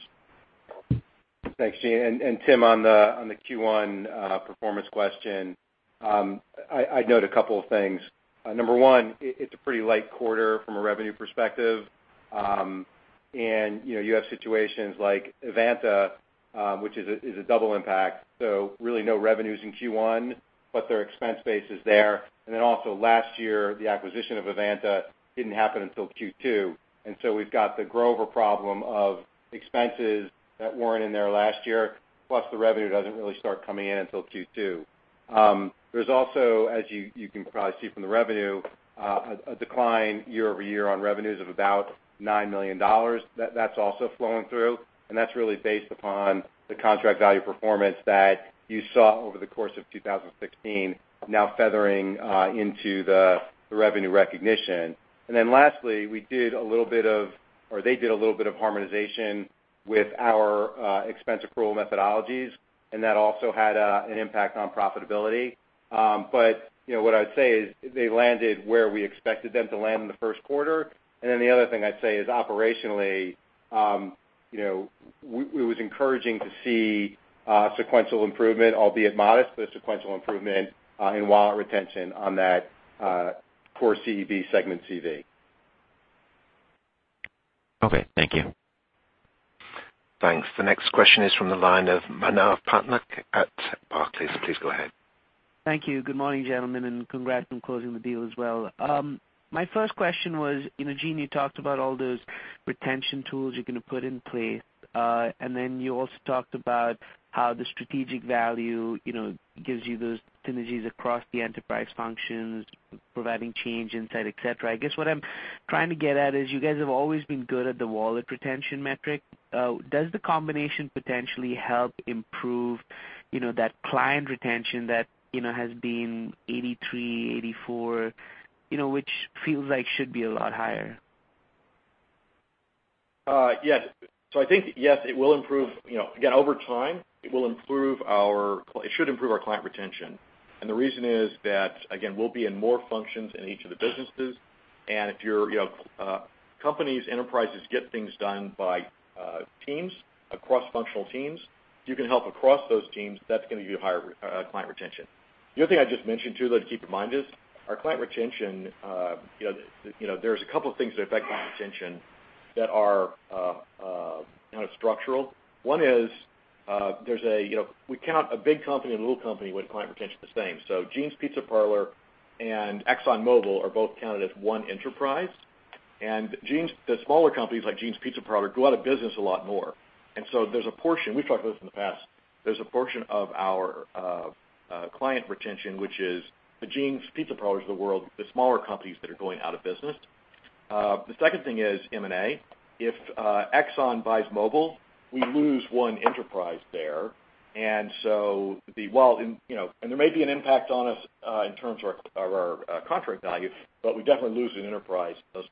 Thanks, Gene. Tim, on the Q1 performance question, I'd note a couple of things. Number one, it's a pretty light quarter from a revenue perspective. You know, you have situations like Evanta, which is a double impact, so really no revenues in Q1, but their expense base is there. Also last year, the acquisition of Evanta didn't happen until Q2, so we've got the grow-over problem of expenses that weren't in there last year, plus the revenue doesn't really start coming in until Q2. There's also, as you can probably see from the revenue, a decline year-over-year on revenues of about $9 million. That's also flowing through, that's really based upon the contract value performance that you saw over the course of 2016 now feathering into the revenue recognition. Lastly, they did a little bit of harmonization with our expense approval methodologies, and that also had an impact on profitability. You know, what I'd say is they landed where we expected them to land in the first quarter. The other thing I'd say is operationally, you know, it was encouraging to see sequential improvement, albeit modest, but sequential improvement in wallet retention on that core CEB segment CV. Okay. Thank you. Thanks. The next question is from the line of Manav Patnaik at Barclays. Please go ahead. Thank you. Good morning, gentlemen, congrats on closing the deal as well. My first question was, you know, Gene, you talked about all those retention tools you're gonna put in place, you also talked about how the strategic value, you know, gives you those synergies across the enterprise functions, providing change insight, et cetera. I guess what I'm trying to get at is you guys have always been good at the wallet retention metric. Does the combination potentially help improve, you know, that client retention that, you know, has been 83%-84%, you know, which feels like should be a lot higher? Yes. I think, yes, it will improve. You know, again, over time, it will improve our client retention. The reason is that, again, we'll be in more functions in each of the businesses. If you're, you know, companies, enterprises get things done by teams, across functional teams. If you can help across those teams, that's gonna give you higher client retention. The other thing I'd just mention too, though, to keep in mind is our client retention, you know, you know, there's a couple things that affect client retention that are kind of structural. One is, there's a, you know, we count a big company and a little company with client retention the same. Gene's Pizza Parlor and ExxonMobil are both counted as one enterprise. The smaller companies like Gene's Pizza Parlor go out of business a lot more. There's a portion, we've talked about this in the past, there's a portion of our client retention, which is the Gene's Pizza Parlors of the world, the smaller companies that are going out of business. The second thing is M&A. If Exxon buys Mobil, we lose one enterprise there. Well, and, you know, and there may be an impact on us in terms of our, of our contract value, but we definitely lose an enterprise in those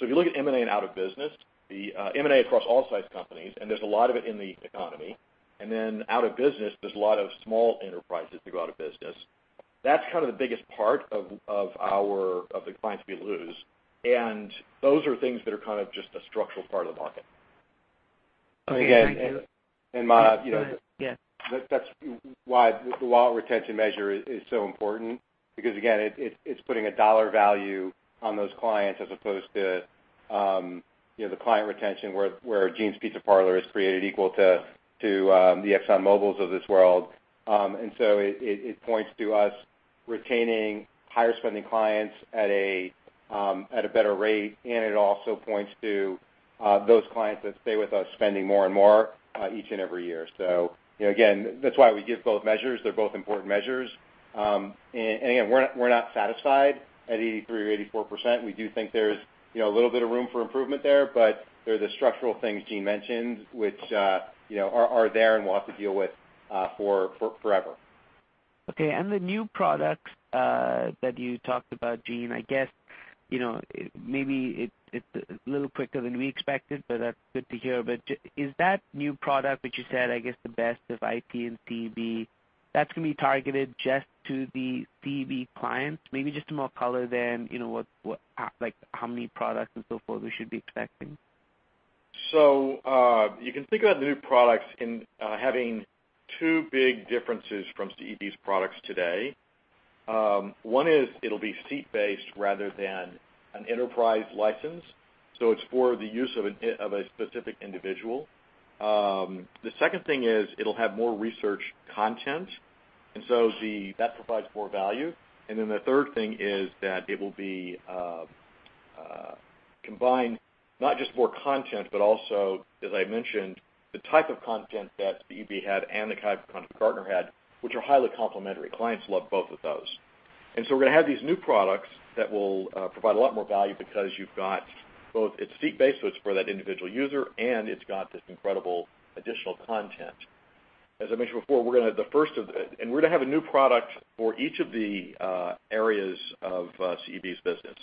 terms. If you look at M&A and out of business, the M&A across all size companies, and there's a lot of it in the economy, and then out of business, there's a lot of small enterprises that go out of business. That's kind of the biggest part of our, of the clients we lose. Those are things that are kind of just a structural part of the market. Okay. Thank you. Again, and Manav, you know. Yes. That's why the wallet retention measure is so important because, again, it's putting a dollar value on those clients as opposed to, you know, the client retention where Gene's Pizza Parlor is created equal to the ExxonMobils of this world. It points to us retaining higher spending clients at a better rate, and it also points to those clients that stay with us spending more and more each and every year. You know, again, that's why we give both measures. They're both important measures. Again, we're not satisfied at 83% or 84%. We do think there's, you know, a little bit of room for improvement there, but there are the structural things Gene mentioned, which, you know, are there and we'll have to deal with, for forever. Okay. The new products that you talked about, Gene, I guess, you know, maybe it's a little quicker than we expected, but that's good to hear. Is that new product which you said, I guess, the best of IT and CEB, that's gonna be targeted just to the CEB clients? Maybe just some more color then, you know, what, like, how many products and so forth we should be expecting. You can think about the new products in having two big differences from CEB's products today. One is it'll be seat-based rather than an enterprise license, so it's for the use of a specific individual. The second thing is it'll have more research content, that provides more value. The third thing is that it will be combined, not just more content, but also, as I mentioned, the type of content that CEB had and the type of content Gartner had, which are highly complementary. Clients love both of those. We're gonna have these new products that will provide a lot more value because you've got both it's seat-based, so it's for that individual user, and it's got this incredible additional content. As I mentioned before, we're gonna have a new product for each of the areas of CEB's business.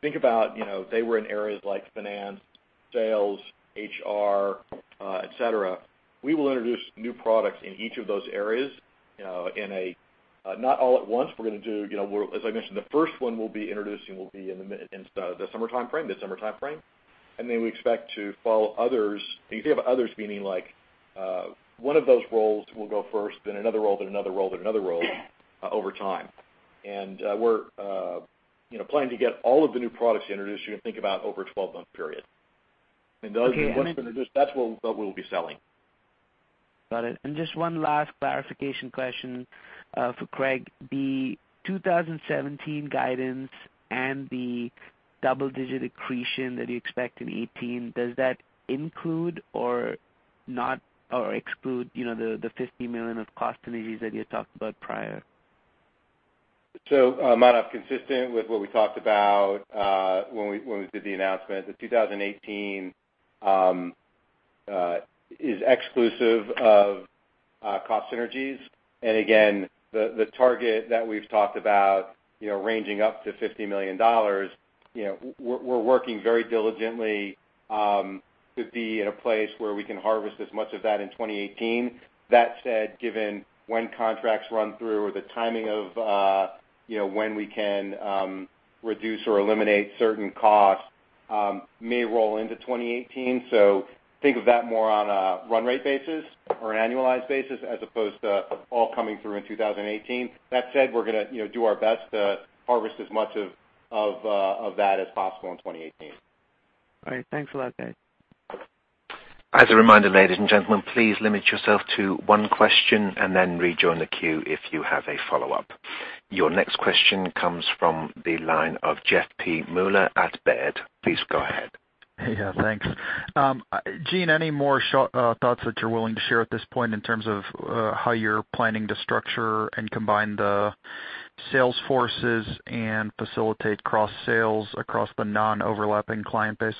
Think about, you know, they were in areas like finance, sales, HR, et cetera. We will introduce new products in each of those areas, you know, in a not all at once. We're gonna do, you know, as I mentioned, the first one we'll be introducing will be in the summertime frame, this summer timeframe. We expect to follow others. You think of others meaning like one of those roles will go first, then another role, then another role, then another role over time. We're, you know, planning to get all of the new products introduced, you know, think about over a 12-month period. Okay. once introduced, that's what we'll be selling. Got it. Just one last clarification question for Craig. The 2017 guidance and the double-digit accretion that you expect in 2018, does that include or not or exclude, you know, the $50 million of cost synergies that you talked about prior? Manav, consistent with what we talked about, when we, when we did the announcement, the 2018 is exclusive of cost synergies. Again, the target that we've talked about, you know, ranging up to $50 million, you know, we're working very diligently to be in a place where we can harvest as much of that in 2018. That said, given when contracts run through or the timing of, you know, when we can reduce or eliminate certain costs, may roll into 2018. Think of that more on a run rate basis or an annualized basis, as opposed to all coming through in 2018. That said, we're gonna, you know, do our best to harvest as much of that as possible in 2018. All right. Thanks a lot, guys. As a reminder, ladies and gentlemen, please limit yourself to one question and then rejoin the queue if you have a follow-up. Your next question comes from the line of Jeff P. Meuler at Baird. Please go ahead. Yeah, thanks. Gene, any more short thoughts that you're willing to share at this point in terms of how you're planning to structure and combine the sales forces and facilitate cross sales across the non-overlapping client base?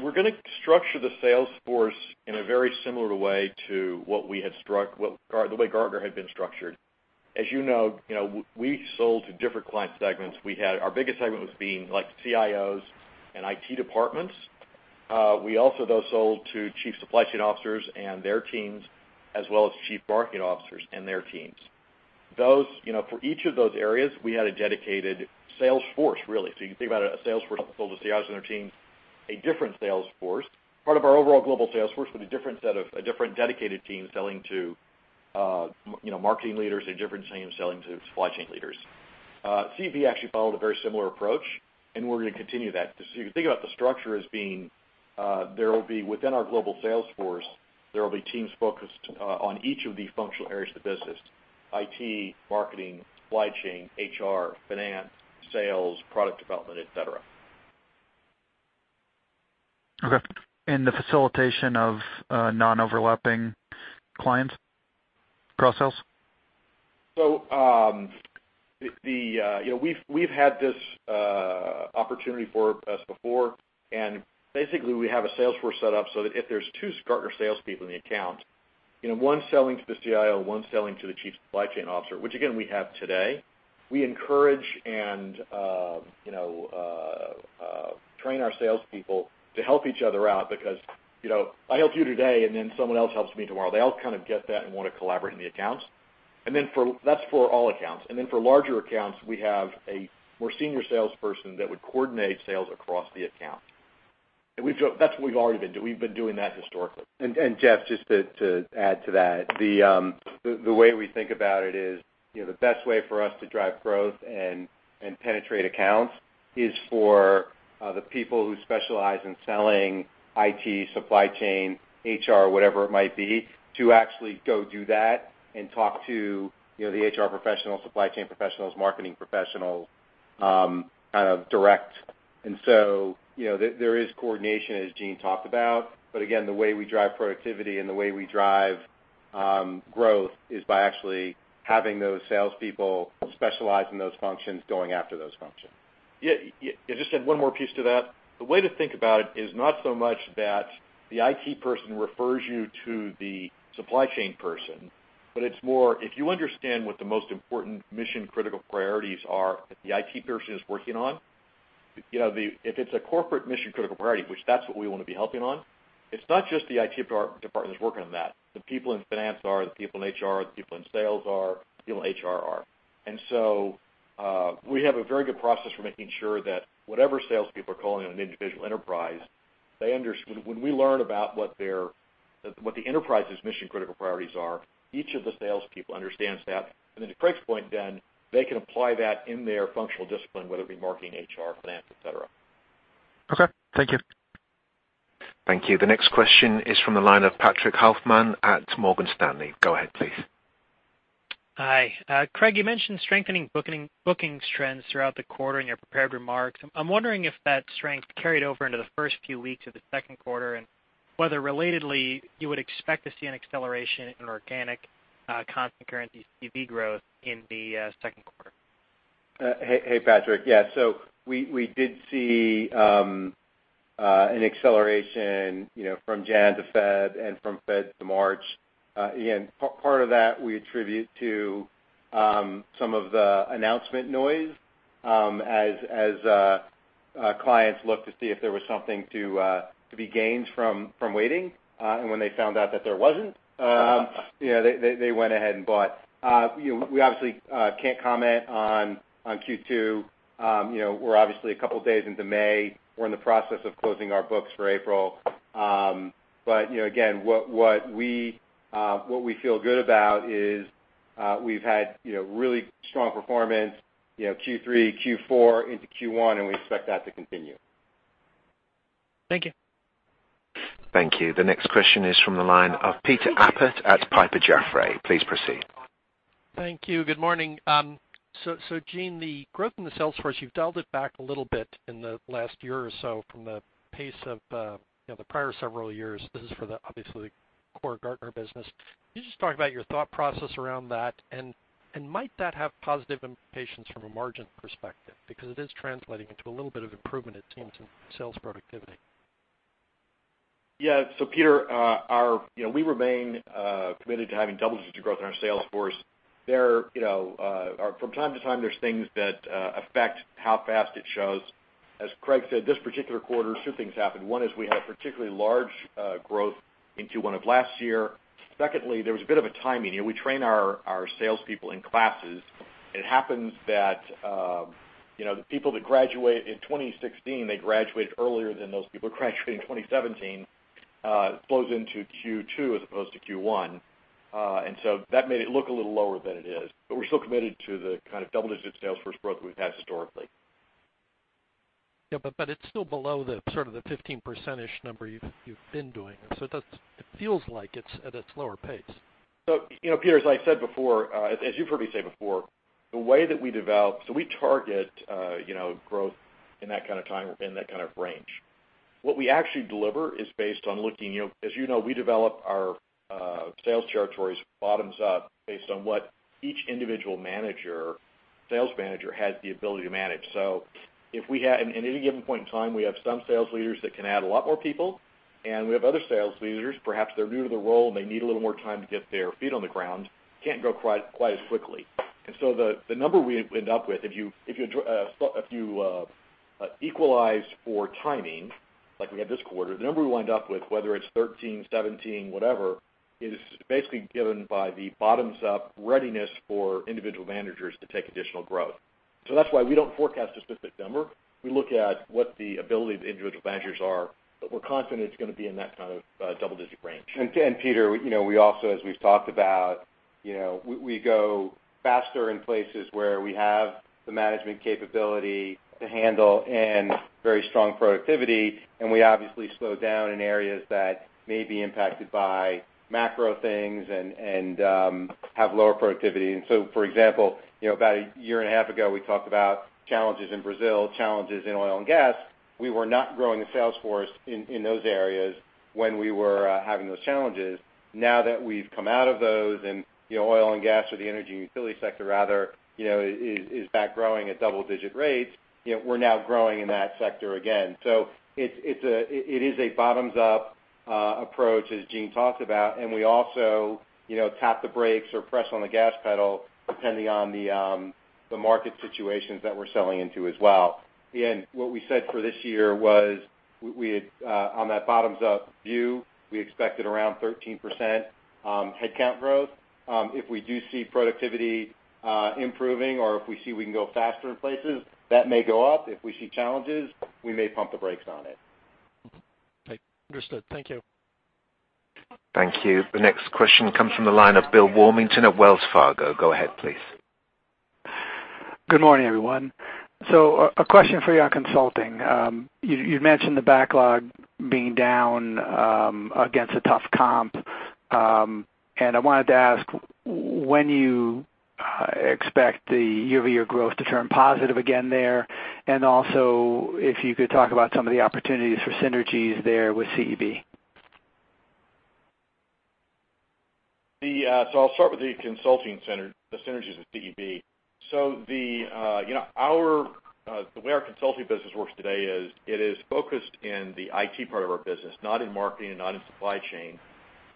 We're gonna structure the sales force in a very similar way to what we had or the way Gartner had been structured. As you know, you know, we sold to different client segments. Our biggest segment was being like CIOs and IT departments. We also though sold to Chief Supply Chain Officers and their teams, as well as Chief Marketing Officers and their teams. Those, you know, for each of those areas, we had a dedicated sales force, really. You can think about a sales force that sold to CIOs and their teams, a different sales force. Part of our overall global sales force with a different dedicated team selling to, you know, Marketing Leaders and different teams selling to Supply Chain Leaders. CEB actually followed a very similar approach, and we're gonna continue that. You can think about the structure as being, there will be within our global sales force, there will be teams focused, on each of the functional areas of the business: IT, marketing, supply chain, HR, finance, sales, product development, et cetera. Okay. The facilitation of non-overlapping clients cross-sales? You know, we've had this opportunity for us before, and basically, we have a sales force set up so that if there's two Gartner salespeople in the account, you know, one selling to the CIO, one selling to the chief supply chain officer, which again, we have today, we encourage and, you know, train our salespeople to help each other out because, you know, I help you today and then someone else helps me tomorrow. They all kind of get that and wanna collaborate in the accounts. That's for all accounts. For larger accounts, we have a more senior salesperson that would coordinate sales across the account. That's what we've already been doing. We've been doing that historically. Jeff, just to add to that. The way we think about it is, you know, the best way for us to drive growth and penetrate accounts is for the people who specialize in selling IT, supply chain, HR, whatever it might be, to actually go do that and talk to, you know, the HR professionals, supply chain professionals, marketing professionals, kind of direct. You know, there is coordination as Gene talked about, but again, the way we drive productivity and the way we drive growth is by actually having those salespeople specialize in those functions, going after those functions. Yeah, yeah. Just add one more piece to that. The way to think about it is not so much that the IT person refers you to the supply chain person, but it's more if you understand what the most important mission-critical priorities are that the IT person is working on, you know, if it's a corporate mission-critical priority, which that's what we wanna be helping on, it's not just the IT department that's working on that. The people in finance are, the people in HR, the people in sales are, the people in HR are. We have a very good process for making sure that whatever salespeople are calling on an individual enterprise, When we learn about what their, what the enterprise's mission-critical priorities are, each of the salespeople understands that. To Craig's point then, they can apply that in their functional discipline, whether it be marketing, HR, finance, et cetera. Okay. Thank you. Thank you. The next question is from the line of Patrick Halfmann at Morgan Stanley. Go ahead, please. Hi. Craig, you mentioned strengthening bookings trends throughout the quarter in your prepared remarks. I'm wondering if that strength carried over into the first few weeks of the second quarter, and whether relatedly you would expect to see an acceleration in organic constant currency CEB growth in the second quarter. Hey, Patrick. Yeah. We did see an acceleration, you know, from January to February and from February to March. Again, part of that we attribute to some of the announcement noise, as clients looked to see if there was something to be gained from waiting. When they found out that there wasn't, you know, they went ahead and bought. You know, we obviously can't comment on Q2. You know, we're obviously a couple days into May. We're in the process of closing our books for April. You know, again, what we feel good about is we've had, you know, really strong performance, you know, Q3, Q4 into Q1, and we expect that to continue. Thank you. Thank you. The next question is from the line of Peter Appert at Piper Jaffray. Please proceed. Thank you. Good morning. Gene, the growth in the sales force, you've dialed it back a little bit in the last year or so from the pace of, you know, the prior several years. This is for the obviously-core Gartner business. Can you just talk about your thought process around that? Might that have positive implications from a margin perspective? Because it is translating into a little bit of improvement, it seems, in sales productivity. Peter, you know, we remain committed to having double-digit growth in our sales force. You know, from time to time, there's things that affect how fast it shows. As Craig said, this particular quarter, two things happened. One is we had a particularly large growth in Q1 of last year. Secondly, there was a bit of a timing. You know, we train our sales people in classes. It happens that, you know, the people that graduate in 2016, they graduated earlier than those people graduating in 2017, flows into Q2 as opposed to Q1. That made it look a little lower than it is. We're still committed to the kind of double-digit sales force growth we've had historically. Yeah. It's still below the sort of the 15%-ish number you've been doing. It feels like it's at its lower pace. You know, Peter, as I said before, as you've heard me say before, the way that we develop, we target, you know, growth in that kind of time, in that kind of range. What we actually deliver is based on looking, you know, as you know, we develop our sales territories bottoms up based on what each individual manager, sales manager has the ability to manage. At any given point in time, we have some sales leaders that can add a lot more people, and we have other sales leaders, perhaps they're new to the role, and they need a little more time to get their feet on the ground, can't grow quite as quickly. The number we end up with, if you equalize for timing, like we had this quarter, the number we wind up with, whether it's 13, 17, whatever, is basically given by the bottoms-up readiness for individual managers to take additional growth. That's why we don't forecast a specific number. We look at what the ability of the individual managers are, but we're confident it's gonna be in that kind of double digit range. Peter, you know, we also, as we've talked about, you know, we go faster in places where we have the management capability to handle and very strong productivity, and we obviously slow down in areas that may be impacted by macro things and have lower productivity. For example, you know, about a year and a half ago, we talked about challenges in Brazil, challenges in oil and gas. We were not growing the sales force in those areas when we were having those challenges. Now that we've come out of those and, you know, oil and gas or the energy and utility sector rather, you know, is back growing at double digit rates, you know, we're now growing in that sector again. It is a bottoms up approach as Gene talked about, and we also, you know, tap the brakes or press on the gas pedal depending on the market situations that we're selling into as well. What we said for this year was we had on that bottoms up view, we expected around 13% headcount growth. If we do see productivity improving or if we see we can go faster in places, that may go up. If we see challenges, we may pump the brakes on it. Okay. Understood. Thank you. Thank you. The next question comes from the line of Bill Warmington at Wells Fargo. Go ahead, please. Good morning, everyone. A question for you on consulting. You'd mentioned the backlog being down against a tough comp. I wanted to ask when you expect the year-over-year growth to turn positive again there, and also if you could talk about some of the opportunities for synergies there with CEB. I'll start with the consulting center, the synergies with CEB. You know, our, the way our consulting business works today is it is focused in the IT part of our business, not in marketing and not in supply chain.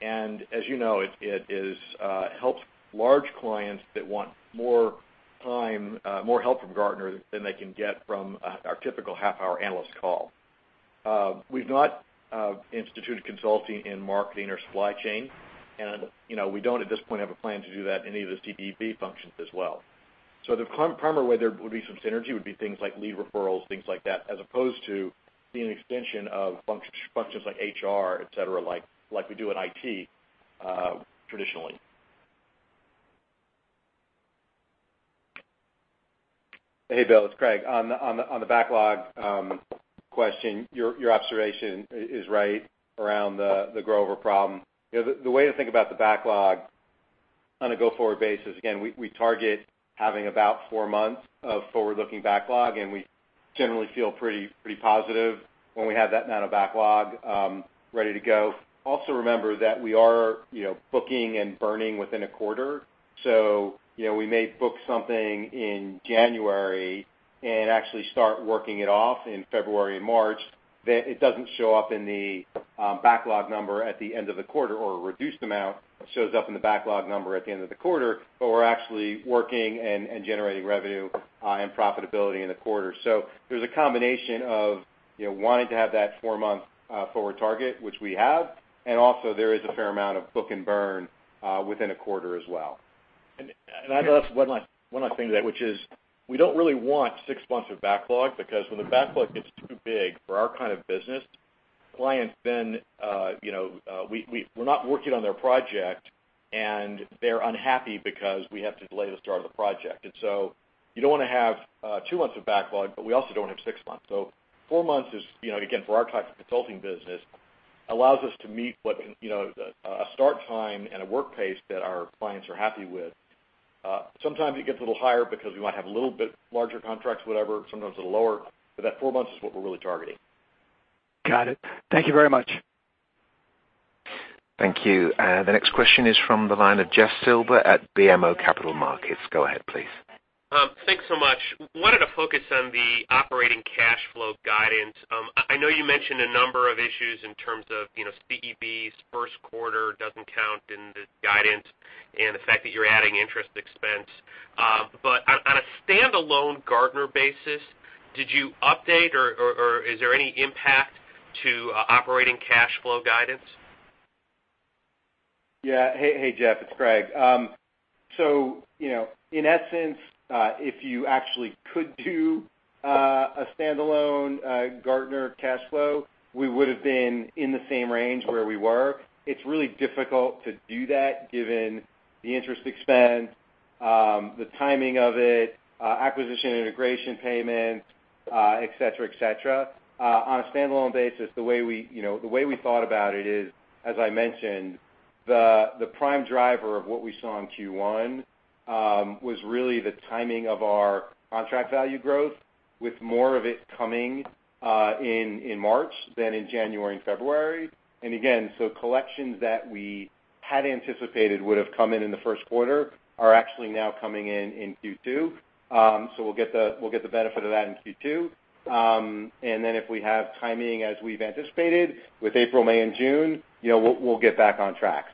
As you know, it is, helps large clients that want more time, more help from Gartner than they can get from our typical half-hour analyst call. We've not instituted consulting in marketing or supply chain, and, you know, we don't at this point have a plan to do that in any of the CEB functions as well. The primary way there would be some synergy would be things like lead referrals, things like that, as opposed to being an extension of functions like HR, et cetera, like we do in IT traditionally. Hey, Bill. It's Craig. On the backlog question, your observation is right around the grow-over problem. You know, the way to think about the backlog on a go-forward basis, again, we target having about four months of forward-looking backlog, and we generally feel pretty positive when we have that amount of backlog ready to go. Also remember that we are, you know, booking and burning within a quarter. You know, we may book something in January and actually start working it off in February and March. It doesn't show up in the backlog number at the end of the quarter or a reduced amount shows up in the backlog number at the end of the quarter, but we're actually working and generating revenue and profitability in the quarter. There's a combination of, you know, wanting to have that four-month, forward target, which we have, and also there is a fair amount of book and burn, within a quarter as well. I'd also add one last thing to that, which is we don't really want six months of backlog because when the backlog gets too big for our kind of business, clients then, you know, we're not working on their project, and they're unhappy because we have to delay the start of the project. You don't wanna have two months of backlog, but we also don't want to have six months. four months is, you know, again, for our type of consulting business, allows us to meet what, you know, a start time and a work pace that our clients are happy with. Sometimes it gets a little higher because we might have a little bit larger contracts, whatever, sometimes a little lower, but that four months is what we're really targeting. Got it. Thank you very much. Thank you. The next question is from the line of Jeff Silber at BMO Capital Markets. Go ahead, please. Thanks so much. Wanted to focus on the operating cash flow guidance. I know you mentioned a number of issues in terms of, you know, CEB's first quarter doesn't count in the guidance and the fact that you're adding interest expense. On a standalone Gartner basis, did you update or is there any impact to operating cash flow guidance? Yeah. Hey, hey, Jeff, it's Craig. You know, in essence, if you actually could do a standalone Gartner cash flow, we would've been in the same range where we were. It's really difficult to do that given the interest expense, the timing of it, acquisition integration payments, et cetera, et cetera. On a standalone basis, the way we, you know, the way we thought about it is, as I mentioned, the prime driver of what we saw in Q1 was really the timing of our contract value growth, with more of it coming in March than in January and February. Again, collections that we had anticipated would've come in in the first quarter are actually now coming in in Q2. We'll get the benefit of that in Q2. If we have timing as we've anticipated with April, May, and June, you know, we'll get back on track.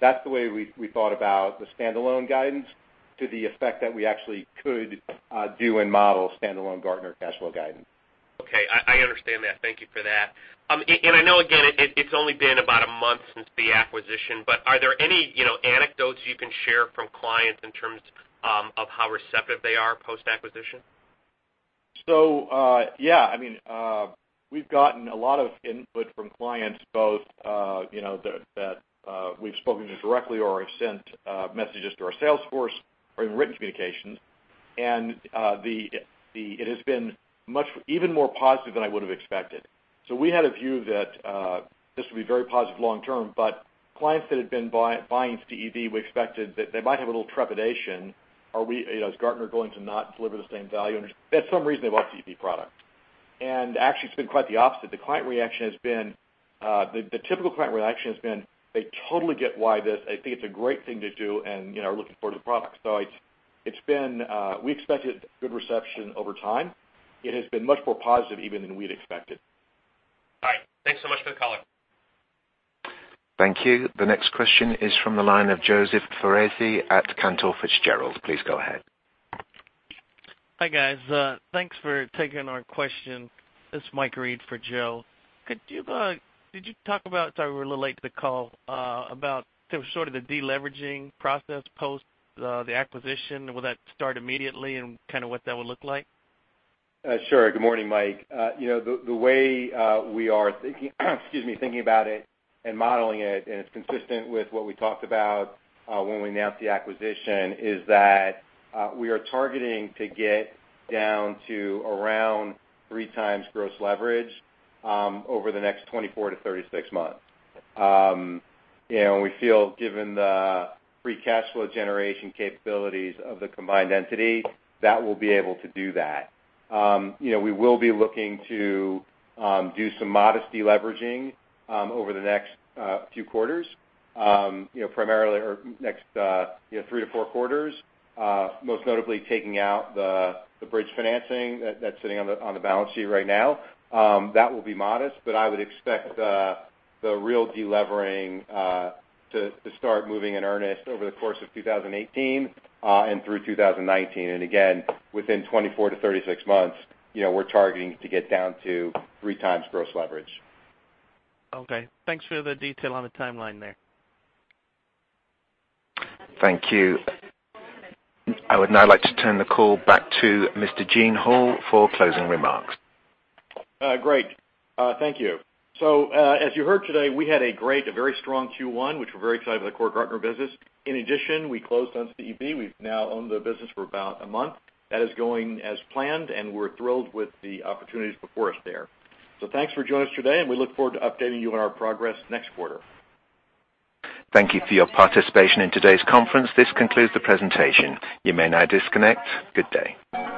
That's the way we thought about the standalone guidance to the effect that we actually could do and model standalone Gartner cash flow guidance. Okay. I understand that. Thank you for that. I know again, it's only been about a month since the acquisition, but are there any, you know, anecdotes you can share from clients in terms of how receptive they are post-acquisition? Yeah, I mean, we've gotten a lot of input from clients both, we've spoken to directly or have sent messages to our sales force or in written communications. It has been much even more positive than I would've expected. We had a view that this would be very positive long term, but clients that had been buying CEB, we expected that they might have a little trepidation. Are we, is Gartner going to not deliver the same value? There's some reason they bought the CEB product. Actually it's been quite the opposite. The client reaction has been, the typical client reaction has been they totally get why this, they think it's a great thing to do and are looking forward to the product. It's been, we expected good reception over time. It has been much more positive even than we'd expected. All right. Thanks so much for the color. Thank you. The next question is from the line of Joseph Foresi at Cantor Fitzgerald. Please go ahead. Hi, guys. Thanks for taking our question. It's Mike Reid for Joe. Did you talk about, sorry, we're a little late to the call, about sort of the deleveraging process post the acquisition? Will that start immediately and kind of what that would look like? Sure. Good morning, Mike. You know, the way we are thinking about it and modeling it, and it's consistent with what we talked about when we announced the acquisition, is that we are targeting to get down to around 3x gross leverage over the next 24 to 36 months. You know, we feel given the free cash flow generation capabilities of the combined entity, that we'll be able to do that. You know, we will be looking to do some modest deleveraging over the next few quarters. You know, primarily or next, you know, three to four quarters, most notably taking out the bridge financing that's sitting on the balance sheet right now. That will be modest, but I would expect the real delevering to start moving in earnest over the course of 2018 and through 2019. Again, within 24-36 months, we're targeting to get down to 3 times gross leverage. Okay. Thanks for the detail on the timeline there. Thank you. I would now like to turn the call back to Mr. Gene Hall for closing remarks. Great. Thank you. As you heard today, we had a great, a very strong Q1, which we're very excited about the core Gartner business. In addition, we closed on CEB. We've now owned the business for about a month. That is going as planned, and we're thrilled with the opportunities before us there. Thanks for joining us today, and we look forward to updating you on our progress next quarter. Thank you for your participation in today's conference. This concludes the presentation. You may now disconnect. Good day.